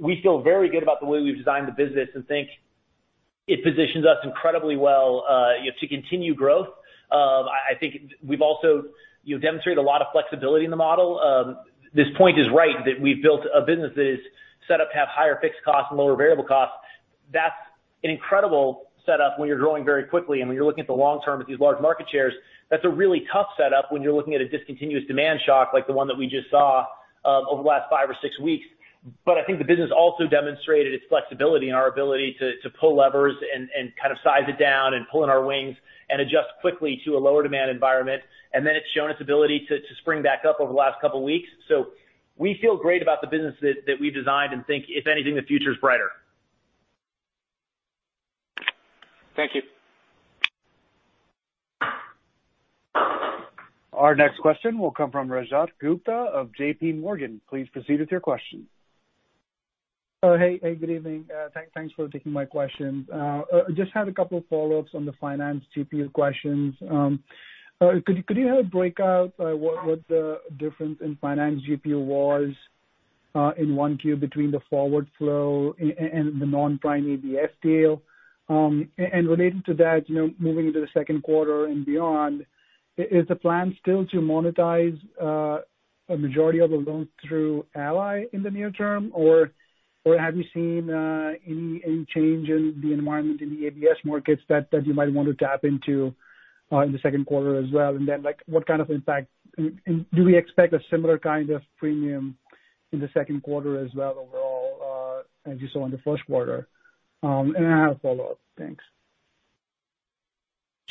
we feel very good about the way we've designed the business and think it positions us incredibly well to continue growth. I think we've also demonstrated a lot of flexibility in the model. This point is right, that we've built a business that is set up to have higher fixed costs and lower variable costs. That's an incredible setup when you're growing very quickly and when you're looking at the long term at these large market shares. That's a really tough setup when you're looking at a discontinuous demand shock like the one that we just saw over the last five or six weeks. I think the business also demonstrated its flexibility and our ability to pull levers and kind of size it down and pull in our wings and adjust quickly to a lower demand environment. It's shown its ability to spring back up over the last couple of weeks. We feel great about the business that we've designed, and think if anything, the future's brighter. Thank you. Our next question will come from Rajat Gupta of JPMorgan. Please proceed with your question. Hey, good evening. Thanks for taking my questions. Just had a couple of follow-ups on the finance GPU questions. Could you help break out what the difference in finance GPU was in one queue between the forward flow and the non-prime ABS deal? Related to that, moving into the second quarter and beyond, is the plan still to monetize a majority of the loans through Ally in the near term, or have you seen any change in the environment in the ABS markets that you might want to tap into in the second quarter as well? Do we expect a similar kind of premium in the second quarter as well overall as you saw in the first quarter? I have a follow-up. Thanks.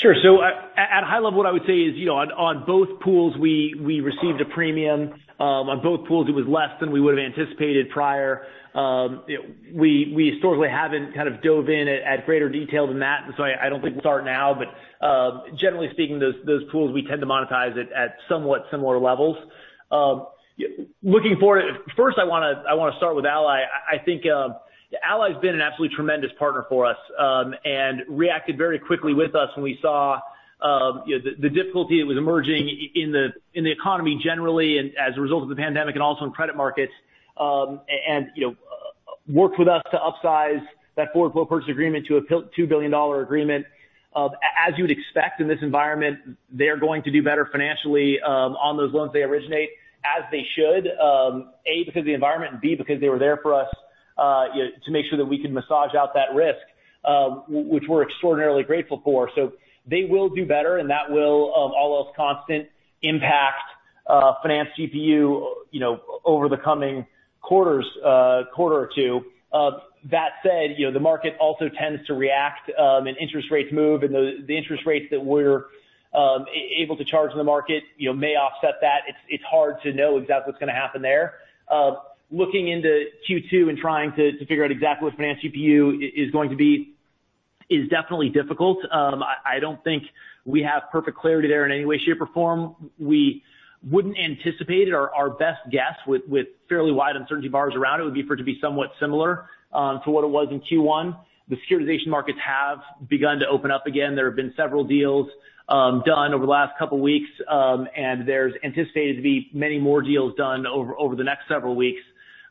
Sure. At a high level, what I would say is, on both pools, we received a premium. On both pools, it was less than we would have anticipated prior. We historically haven't kind of dove in at greater detail than that, and so I don't think we'll start now. Generally speaking, those pools, we tend to monetize it at somewhat similar levels. Looking forward, first, I want to start with Ally. I think Ally's been an absolutely tremendous partner for us and reacted very quickly with us when we saw the difficulty that was emerging in the economy generally and as a result of the pandemic and also in credit markets, and worked with us to upsize that forward flow purchase agreement to a $2 billion agreement. As you'd expect in this environment, they're going to do better financially on those loans they originate, as they should, A, because of the environment, and B, because they were there for us to make sure that we could massage out that risk, which we're extraordinarily grateful for. They will do better, and that will, all else constant, impact finance GPU over the coming quarter or two. That said, the market also tends to react and interest rates move, and the interest rates that we're able to charge in the market may offset that. It's hard to know exactly what's going to happen there. Looking into Q2 and trying to figure out exactly what finance GPU is going to be is definitely difficult. I don't think we have perfect clarity there in any way, shape, or form. We wouldn't anticipate it. Our best guess, with fairly wide uncertainty bars around it, would be for it to be somewhat similar to what it was in Q1. The securitization markets have begun to open up again. There have been several deals done over the last couple of weeks, and there's anticipated to be many more deals done over the next several weeks.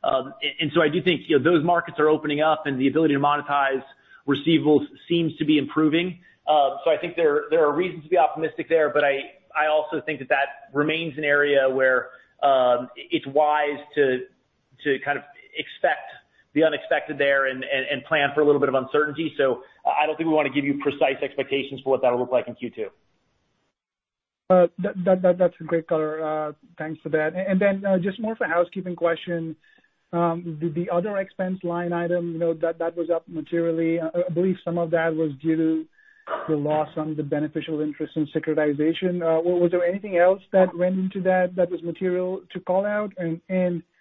I do think those markets are opening up, and the ability to monetize receivables seems to be improving. I think there are reasons to be optimistic there. I also think that remains an area where it's wise to kind of expect the unexpected there and plan for a little bit of uncertainty. I don't think we want to give you precise expectations for what that'll look like in Q2. That's a great color. Thanks for that. Just more of a housekeeping question. The other expense line item that was up materially, I believe some of that was due to the loss on the beneficial interest in securitization. Was there anything else that went into that was material to callout? Is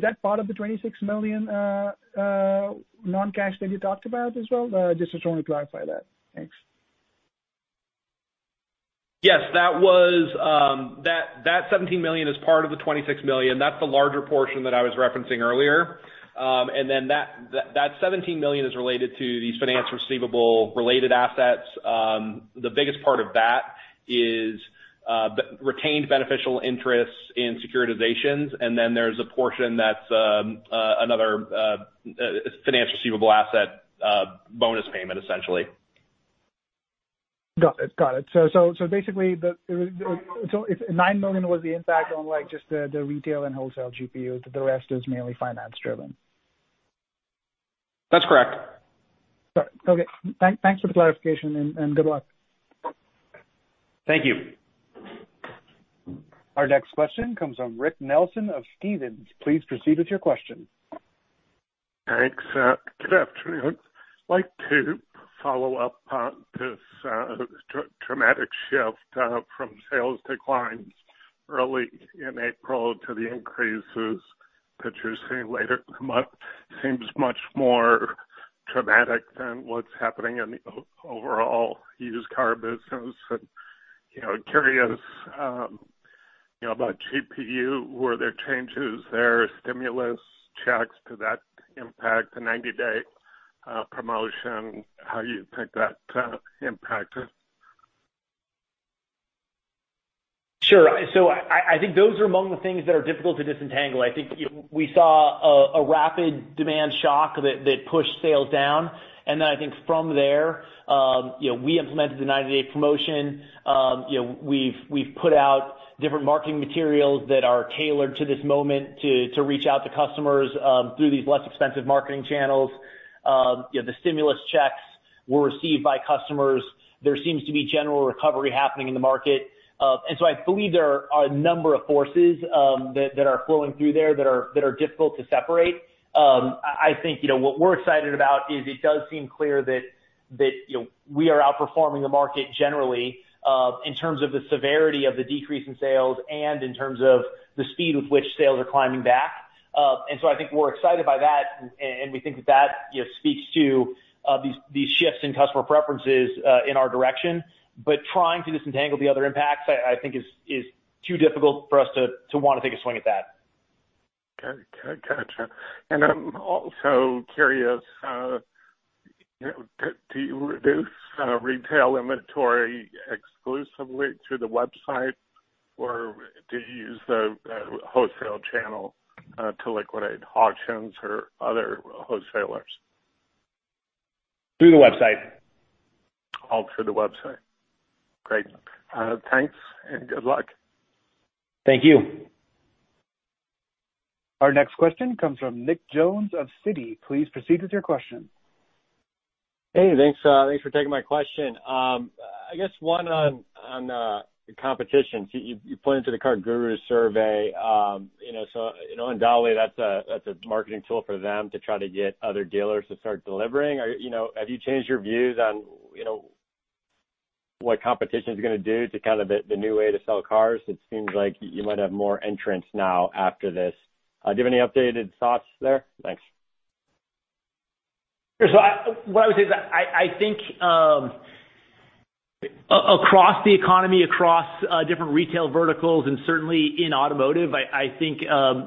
that part of the $26 million non-cash that you talked about as well? Just to clarify that. Thanks. Yes. That $17 million is part of the $26 million. That's the larger portion that I was referencing earlier. That $17 million is related to these finance receivable-related assets. The biggest part of that is retained beneficial interests in securitizations, and then there's a portion that's another finance receivable asset bonus payment, essentially. Got it. Basically, $9 million was the impact on just the retail and wholesale GPU. The rest is mainly finance-driven. That's correct. Sorry. Okay, thanks for the clarification and good luck. Thank you. Our next question comes from Rick Nelson of Stephens. Please proceed with your question. Thanks. Good afternoon. I'd like to follow up on this dramatic shift from sales declines early in April to the increases that you're seeing later in the month. Seems much more dramatic than what's happening in the overall used car business. Curious about GPU, were there changes there, stimulus checks, did that impact the 90-day promotion, how you think that impacted? Sure. I think those are among the things that are difficult to disentangle. I think we saw a rapid demand shock that pushed sales down. I think from there, we implemented the 90-day promotion. We've put out different marketing materials that are tailored to this moment to reach out to customers through these less expensive marketing channels. The stimulus checks were received by customers. There seems to be general recovery happening in the market. I believe there are a number of forces that are flowing through there that are difficult to separate. I think what we're excited about is it does seem clear that we are outperforming the market generally, in terms of the severity of the decrease in sales and in terms of the speed with which sales are climbing back. I think we're excited by that, and we think that that speaks to these shifts in customer preferences in our direction. Trying to disentangle the other impacts, I think is too difficult for us to want to take a swing at that. Got you. I'm also curious, do you reduce retail inventory exclusively through the website? Do you use the wholesale channel to liquidate, auctions or other wholesalers? Through the website. All through the website. Great. Thanks, and good luck. Thank you. Our next question comes from Nick Jones of Citi. Please proceed with your question. Hey, thanks for taking my question. I guess one on the competition. You pointed to the CarGurus survey. In Ally, that's a marketing tool for them to try to get other dealers to start delivering. Have you changed your views on what competition's going to do to kind of the new way to sell cars? It seems like you might have more entrants now after this. Do you have any updated thoughts there? Thanks. Sure. What I would say is I think across the economy, across different retail verticals, and certainly in automotive, I think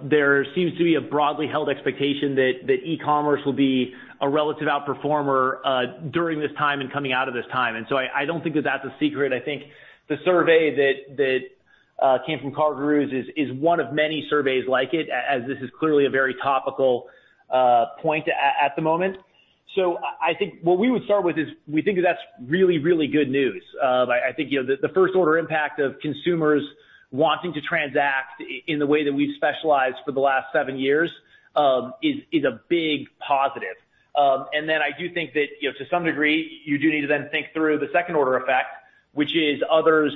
there seems to be a broadly held expectation that e-commerce will be a relative outperformer during this time and coming out of this time. I don't think that that's a secret. I think the survey that came from CarGurus is one of many surveys like it, as this is clearly a very topical point at the moment. I think what we would start with is we think that that's really, really good news. I think the first order impact of consumers wanting to transact in the way that we've specialized for the last seven years is a big positive. I do think that to some degree, you do need to then think through the second order effect, which is others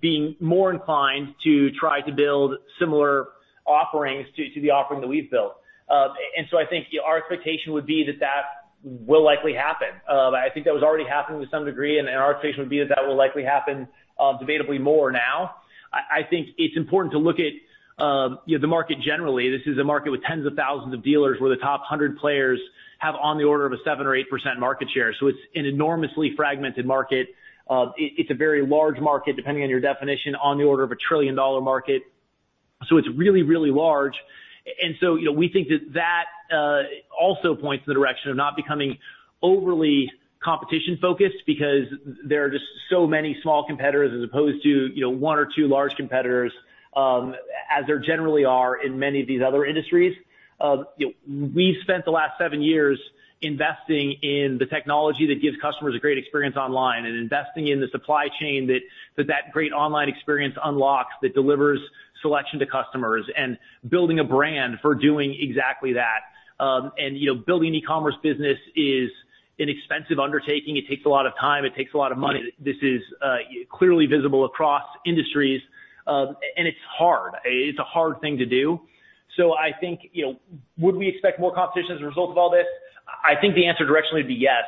being more inclined to try to build similar offerings to the offering that we've built. I think our expectation would be that that will likely happen. I think that was already happening to some degree, and our expectation would be that that will likely happen debatably more now. I think it's important to look at the market generally. This is a market with tens of thousands of dealers where the top 100 players have on the order of a 7% or 8% market share. It's an enormously fragmented market. It's a very large market, depending on your definition, on the order of a trillion-dollar market. It's really, really large. We think that that also points in the direction of not becoming overly competition-focused because there are just so many small competitors as opposed to one or two large competitors, as there generally are in many of these other industries. We've spent the last seven years investing in the technology that gives customers a great experience online and investing in the supply chain that that great online experience unlocks that delivers selection to customers and building a brand for doing exactly that. Building an e-commerce business is an expensive undertaking. It takes a lot of time. It takes a lot of money. This is clearly visible across industries. It's hard. It's a hard thing to do. I think would we expect more competition as a result of all this? I think the answer directionally would be yes.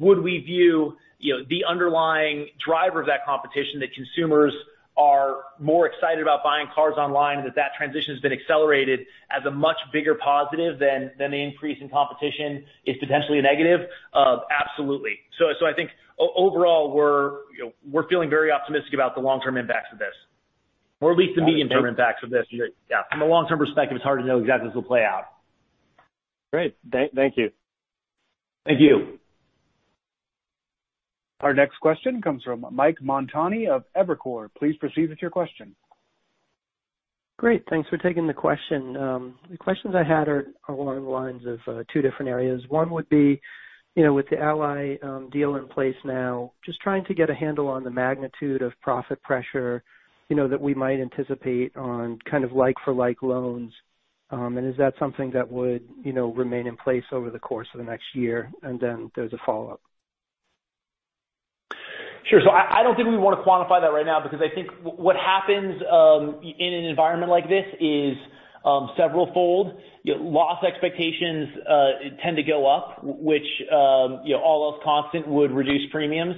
Would we view the underlying driver of that competition that consumers are more excited about buying cars online and that that transition has been accelerated as a much bigger positive than the increase in competition is potentially a negative? Absolutely. I think overall, we're feeling very optimistic about the long-term impacts of this, or at least the medium-term impacts of this. From a long-term perspective, it's hard to know exactly how this will play out. Great. Thank you. Thank you. Our next question comes from Mike Montani of Evercore. Please proceed with your question. Great. Thanks for taking the question. The questions I had are along the lines of two different areas. One would be with the Ally deal in place now, just trying to get a handle on the magnitude of profit pressure that we might anticipate on like-for-like loans. Is that something that would remain in place over the course of the next year? Then there's a follow-up. Sure. I don't think we want to quantify that right now, because I think what happens in an environment like this is severalfold. Loss expectations tend to go up, which all else constant would reduce premiums.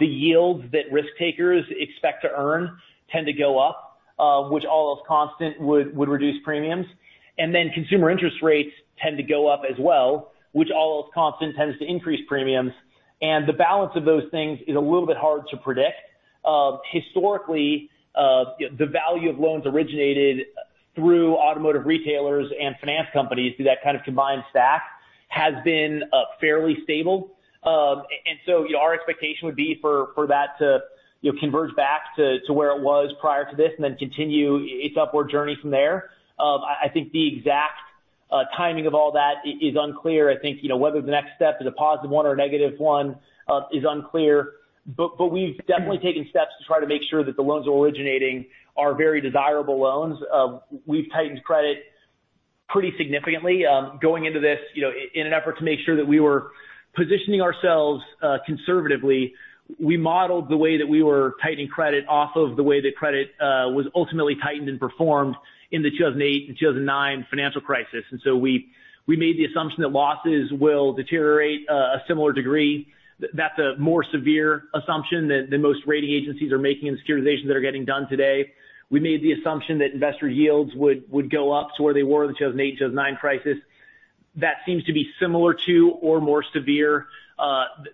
The yields that risk takers expect to earn tend to go up, which all else constant would reduce premiums. Consumer interest rates tend to go up as well, which all else constant tends to increase premiums. The balance of those things is a little bit hard to predict. Historically, the value of loans originated through automotive retailers and finance companies through that kind of combined stack has been fairly stable. Our expectation would be for that to converge back to where it was prior to this and then continue its upward journey from there. I think the exact timing of all that is unclear. I think whether the next step is a positive one or a negative one is unclear. We've definitely taken steps to try to make sure that the loans originating are very desirable loans. We've tightened credit pretty significantly going into this in an effort to make sure that we were positioning ourselves conservatively. We modeled the way that we were tightening credit off of the way that credit was ultimately tightened and performed in the 2008 and 2009 financial crisis. We made the assumption that losses will deteriorate a similar degree. That's a more severe assumption than most rating agencies are making in the securitizations that are getting done today. We made the assumption that investor yields would go up to where they were in the 2008, 2009 crisis. That seems to be similar to or more severe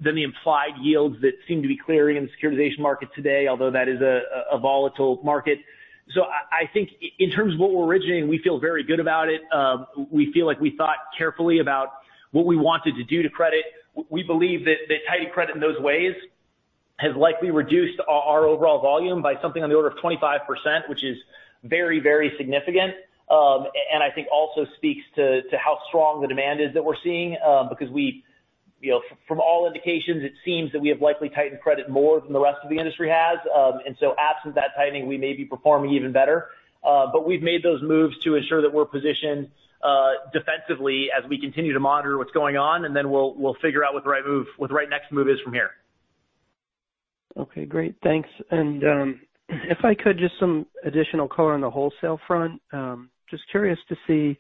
than the implied yields that seem to be clearing in the securitization market today, although that is a volatile market. I think in terms of what we're originating, we feel very good about it. We feel like we thought carefully about what we wanted to do to credit. We believe that tightening credit in those ways has likely reduced our overall volume by something on the order of 25%, which is very, very significant. I think also speaks to how strong the demand is that we're seeing because from all indications, it seems that we have likely tightened credit more than the rest of the industry has. Absent that tightening, we may be performing even better. We've made those moves to ensure that we're positioned defensively as we continue to monitor what's going on, and then we'll figure out what the right next move is from here. Okay, great. Thanks. If I could, just some additional color on the wholesale front. Just curious to see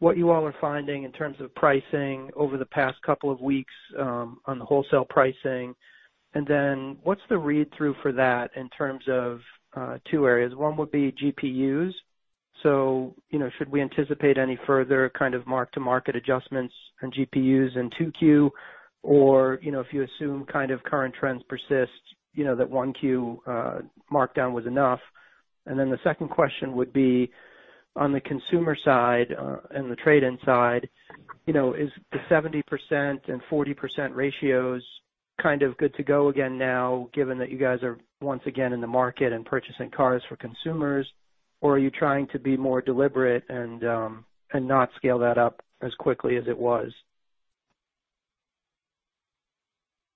what you all are finding in terms of pricing over the past couple of weeks on the wholesale pricing. What's the read-through for that in terms of two areas? One would be GPUs. Should we anticipate any further kind of mark-to-market adjustments on GPUs in 2Q? If you assume kind of current trends persist, that 1Q markdown was enough. The second question would be on the consumer side and the trade-in side, is the 70% and 40% ratios kind of good to go again now given that you guys are once again in the market and purchasing cars for consumers? Are you trying to be more deliberate and not scale that up as quickly as it was?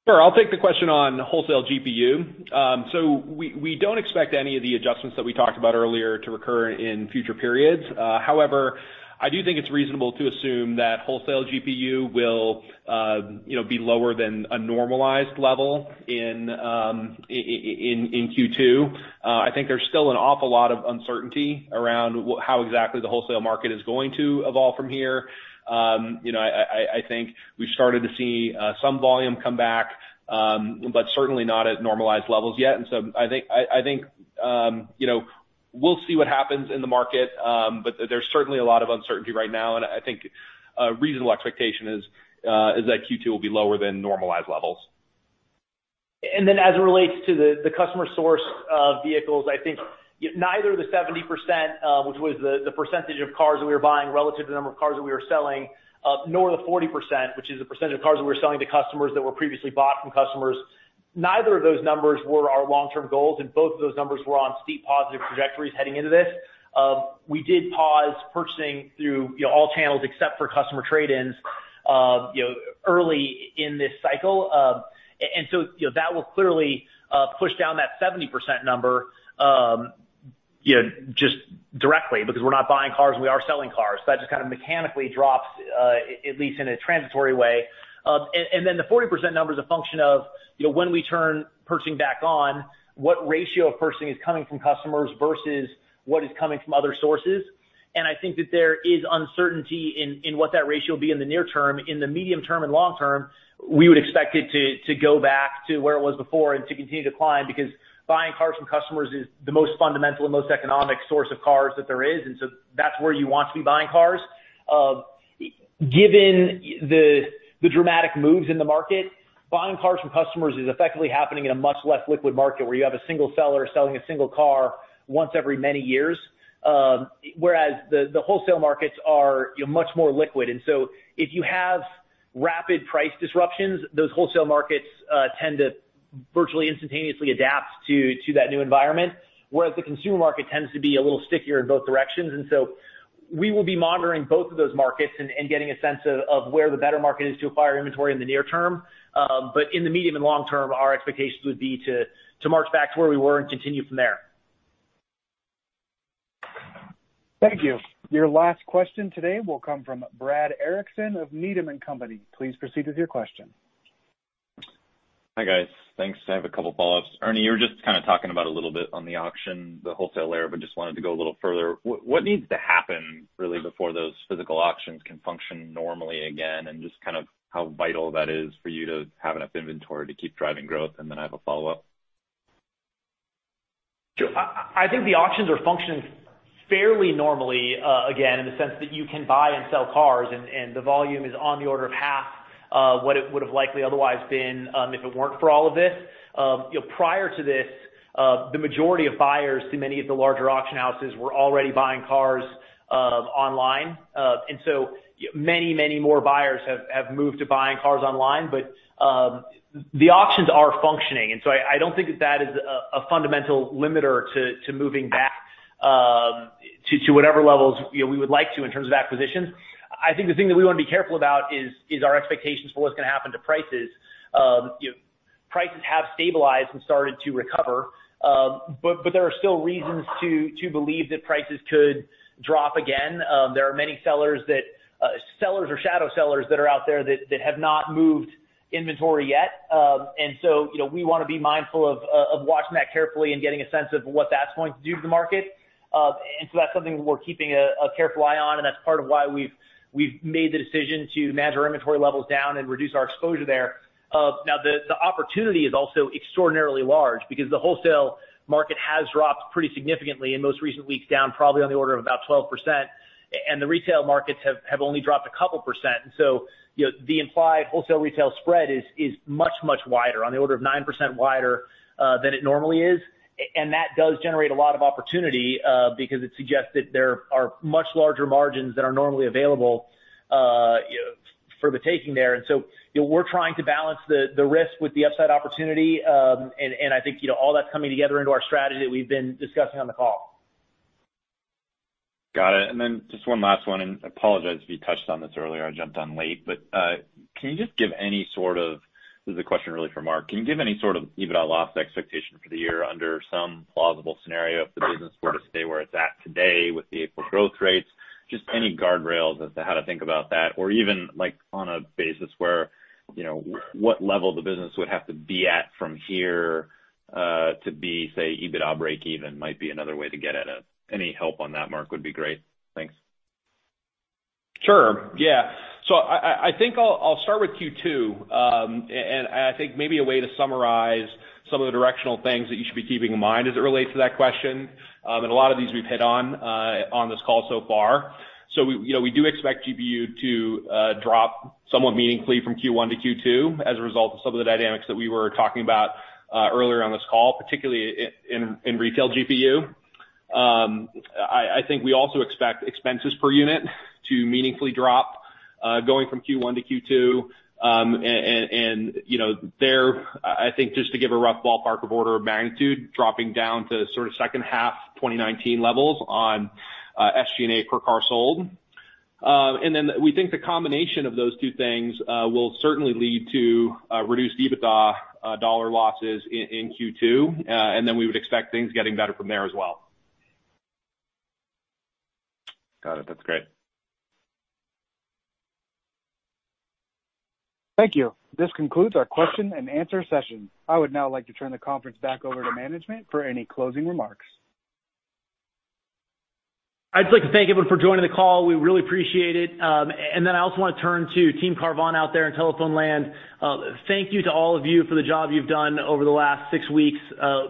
Sure. I'll take the question on wholesale GPU. We don't expect any of the adjustments that we talked about earlier to recur in future periods. However, I do think it's reasonable to assume that wholesale GPU will be lower than a normalized level in Q2. I think there's still an awful lot of uncertainty around how exactly the wholesale market is going to evolve from here. I think we've started to see some volume come back but certainly not at normalized levels yet. I think we'll see what happens in the market, but there's certainly a lot of uncertainty right now. I think a reasonable expectation is that Q2 will be lower than normalized levels. As it relates to the customer source of vehicles, I think neither the 70%, which was the percentage of cars that we were buying relative to the number of cars that we were selling, nor the 40%, which is the percentage of cars that we were selling to customers that were previously bought from customers, neither of those numbers were our long-term goals, and both of those numbers were on steep positive trajectories heading into this. We did pause purchasing through all channels except for customer trade-ins early in this cycle. That will clearly push down that 70% number just directly because we're not buying cars and we are selling cars. That just kind of mechanically drops at least in a transitory way. The 40% number is a function of when we turn purchasing back on, what ratio of purchasing is coming from customers versus what is coming from other sources. I think that there is uncertainty in what that ratio will be in the near term. In the medium term and long term, we would expect it to go back to where it was before and to continue to climb because buying cars from customers is the most fundamental and most economic source of cars that there is, and so that's where you want to be buying cars. Given the dramatic moves in the market, buying cars from customers is effectively happening in a much less liquid market where you have a single seller selling a single car once every many years. Whereas the wholesale markets are much more liquid. If you have rapid price disruptions, those wholesale markets tend to virtually instantaneously adapt to that new environment, whereas the consumer market tends to be a little stickier in both directions. We will be monitoring both of those markets and getting a sense of where the better market is to acquire inventory in the near term. In the medium and long term, our expectations would be to march back to where we were and continue from there. Thank you. Your last question today will come from Brad Erickson of Needham & Company. Please proceed with your question. Hi, guys. Thanks. I have a couple of follow-ups. Ernie, you were just kind of talking about a little bit on the auction, the wholesale area, but just wanted to go a little further. What needs to happen really before those physical auctions can function normally again? Just kind of how vital that is for you to have enough inventory to keep driving growth? Then I have a follow-up. Sure. I think the auctions are functioning fairly normally again, in the sense that you can buy and sell cars, and the volume is on the order of half of what it would've likely otherwise been if it weren't for all of this. Prior to this, the majority of buyers through many of the larger auction houses were already buying cars online. Many more buyers have moved to buying cars online. The auctions are functioning, and so I don't think that that is a fundamental limiter to moving back to whatever levels we would like to in terms of acquisitions. I think the thing that we want to be careful about is our expectations for what's going to happen to prices. Prices have stabilized and started to recover. There are still reasons to believe that prices could drop again. There are many sellers or shadow sellers that are out there that have not moved inventory yet. We want to be mindful of watching that carefully and getting a sense of what that's going to do to the market. That's something we're keeping a careful eye on, and that's part of why we've made the decision to manage our inventory levels down and reduce our exposure there. Now, the opportunity is also extraordinarily large because the wholesale market has dropped pretty significantly in most recent weeks down probably on the order of about 12%, and the retail markets have only dropped a couple percent. The implied wholesale retail spread is much wider, on the order of 9% wider than it normally is. That does generate a lot of opportunity because it suggests that there are much larger margins than are normally available for the taking there. We're trying to balance the risk with the upside opportunity. I think all that's coming together into our strategy that we've been discussing on the call. Got it. Then just one last one, and I apologize if you touched on this earlier. I jumped on late. This is a question really for Mark. Can you give any sort of EBITDA loss expectation for the year under some plausible scenario if the business were to stay where it's at today with the April growth rates? Just any guardrails as to how to think about that, or even on a basis where what level the business would have to be at from here to be, say, EBITDA breakeven might be another way to get at it. Any help on that, Mark, would be great. Thanks. Sure. Yeah. I think I'll start with Q2. I think maybe a way to summarize some of the directional things that you should be keeping in mind as it relates to that question, and a lot of these we've hit on this call so far. We do expect GPU to drop somewhat meaningfully from Q1 to Q2 as a result of some of the dynamics that we were talking about earlier on this call, particularly in retail GPU. I think we also expect expenses per unit to meaningfully drop going from Q1 to Q2. There, I think just to give a rough ballpark of order of magnitude dropping down to sort of second half 2019 levels on SG&A per car sold. We think the combination of those two things will certainly lead to reduced EBITDA dollar losses in Q2. We would expect things getting better from there as well. Got it. That's great. Thank you. This concludes our question and answer session. I would now like to turn the conference back over to management for any closing remarks. I'd like to thank everyone for joining the call. We really appreciate it. I also want to turn to team Carvana out there in telephone land. Thank you to all of you for the job you've done over the last six weeks.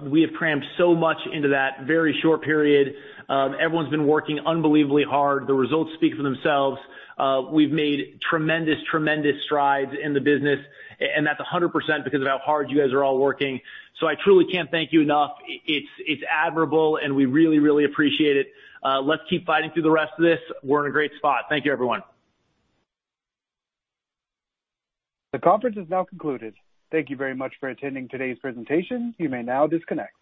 We have crammed so much into that very short period. Everyone's been working unbelievably hard. The results speak for themselves. We've made tremendous strides in the business, and that's 100% because of how hard you guys are all working. I truly can't thank you enough. It's admirable, and we really appreciate it. Let's keep fighting through the rest of this. We're in a great spot. Thank you, everyone. The conference is now concluded. Thank you very much for attending today's presentation. You may now disconnect.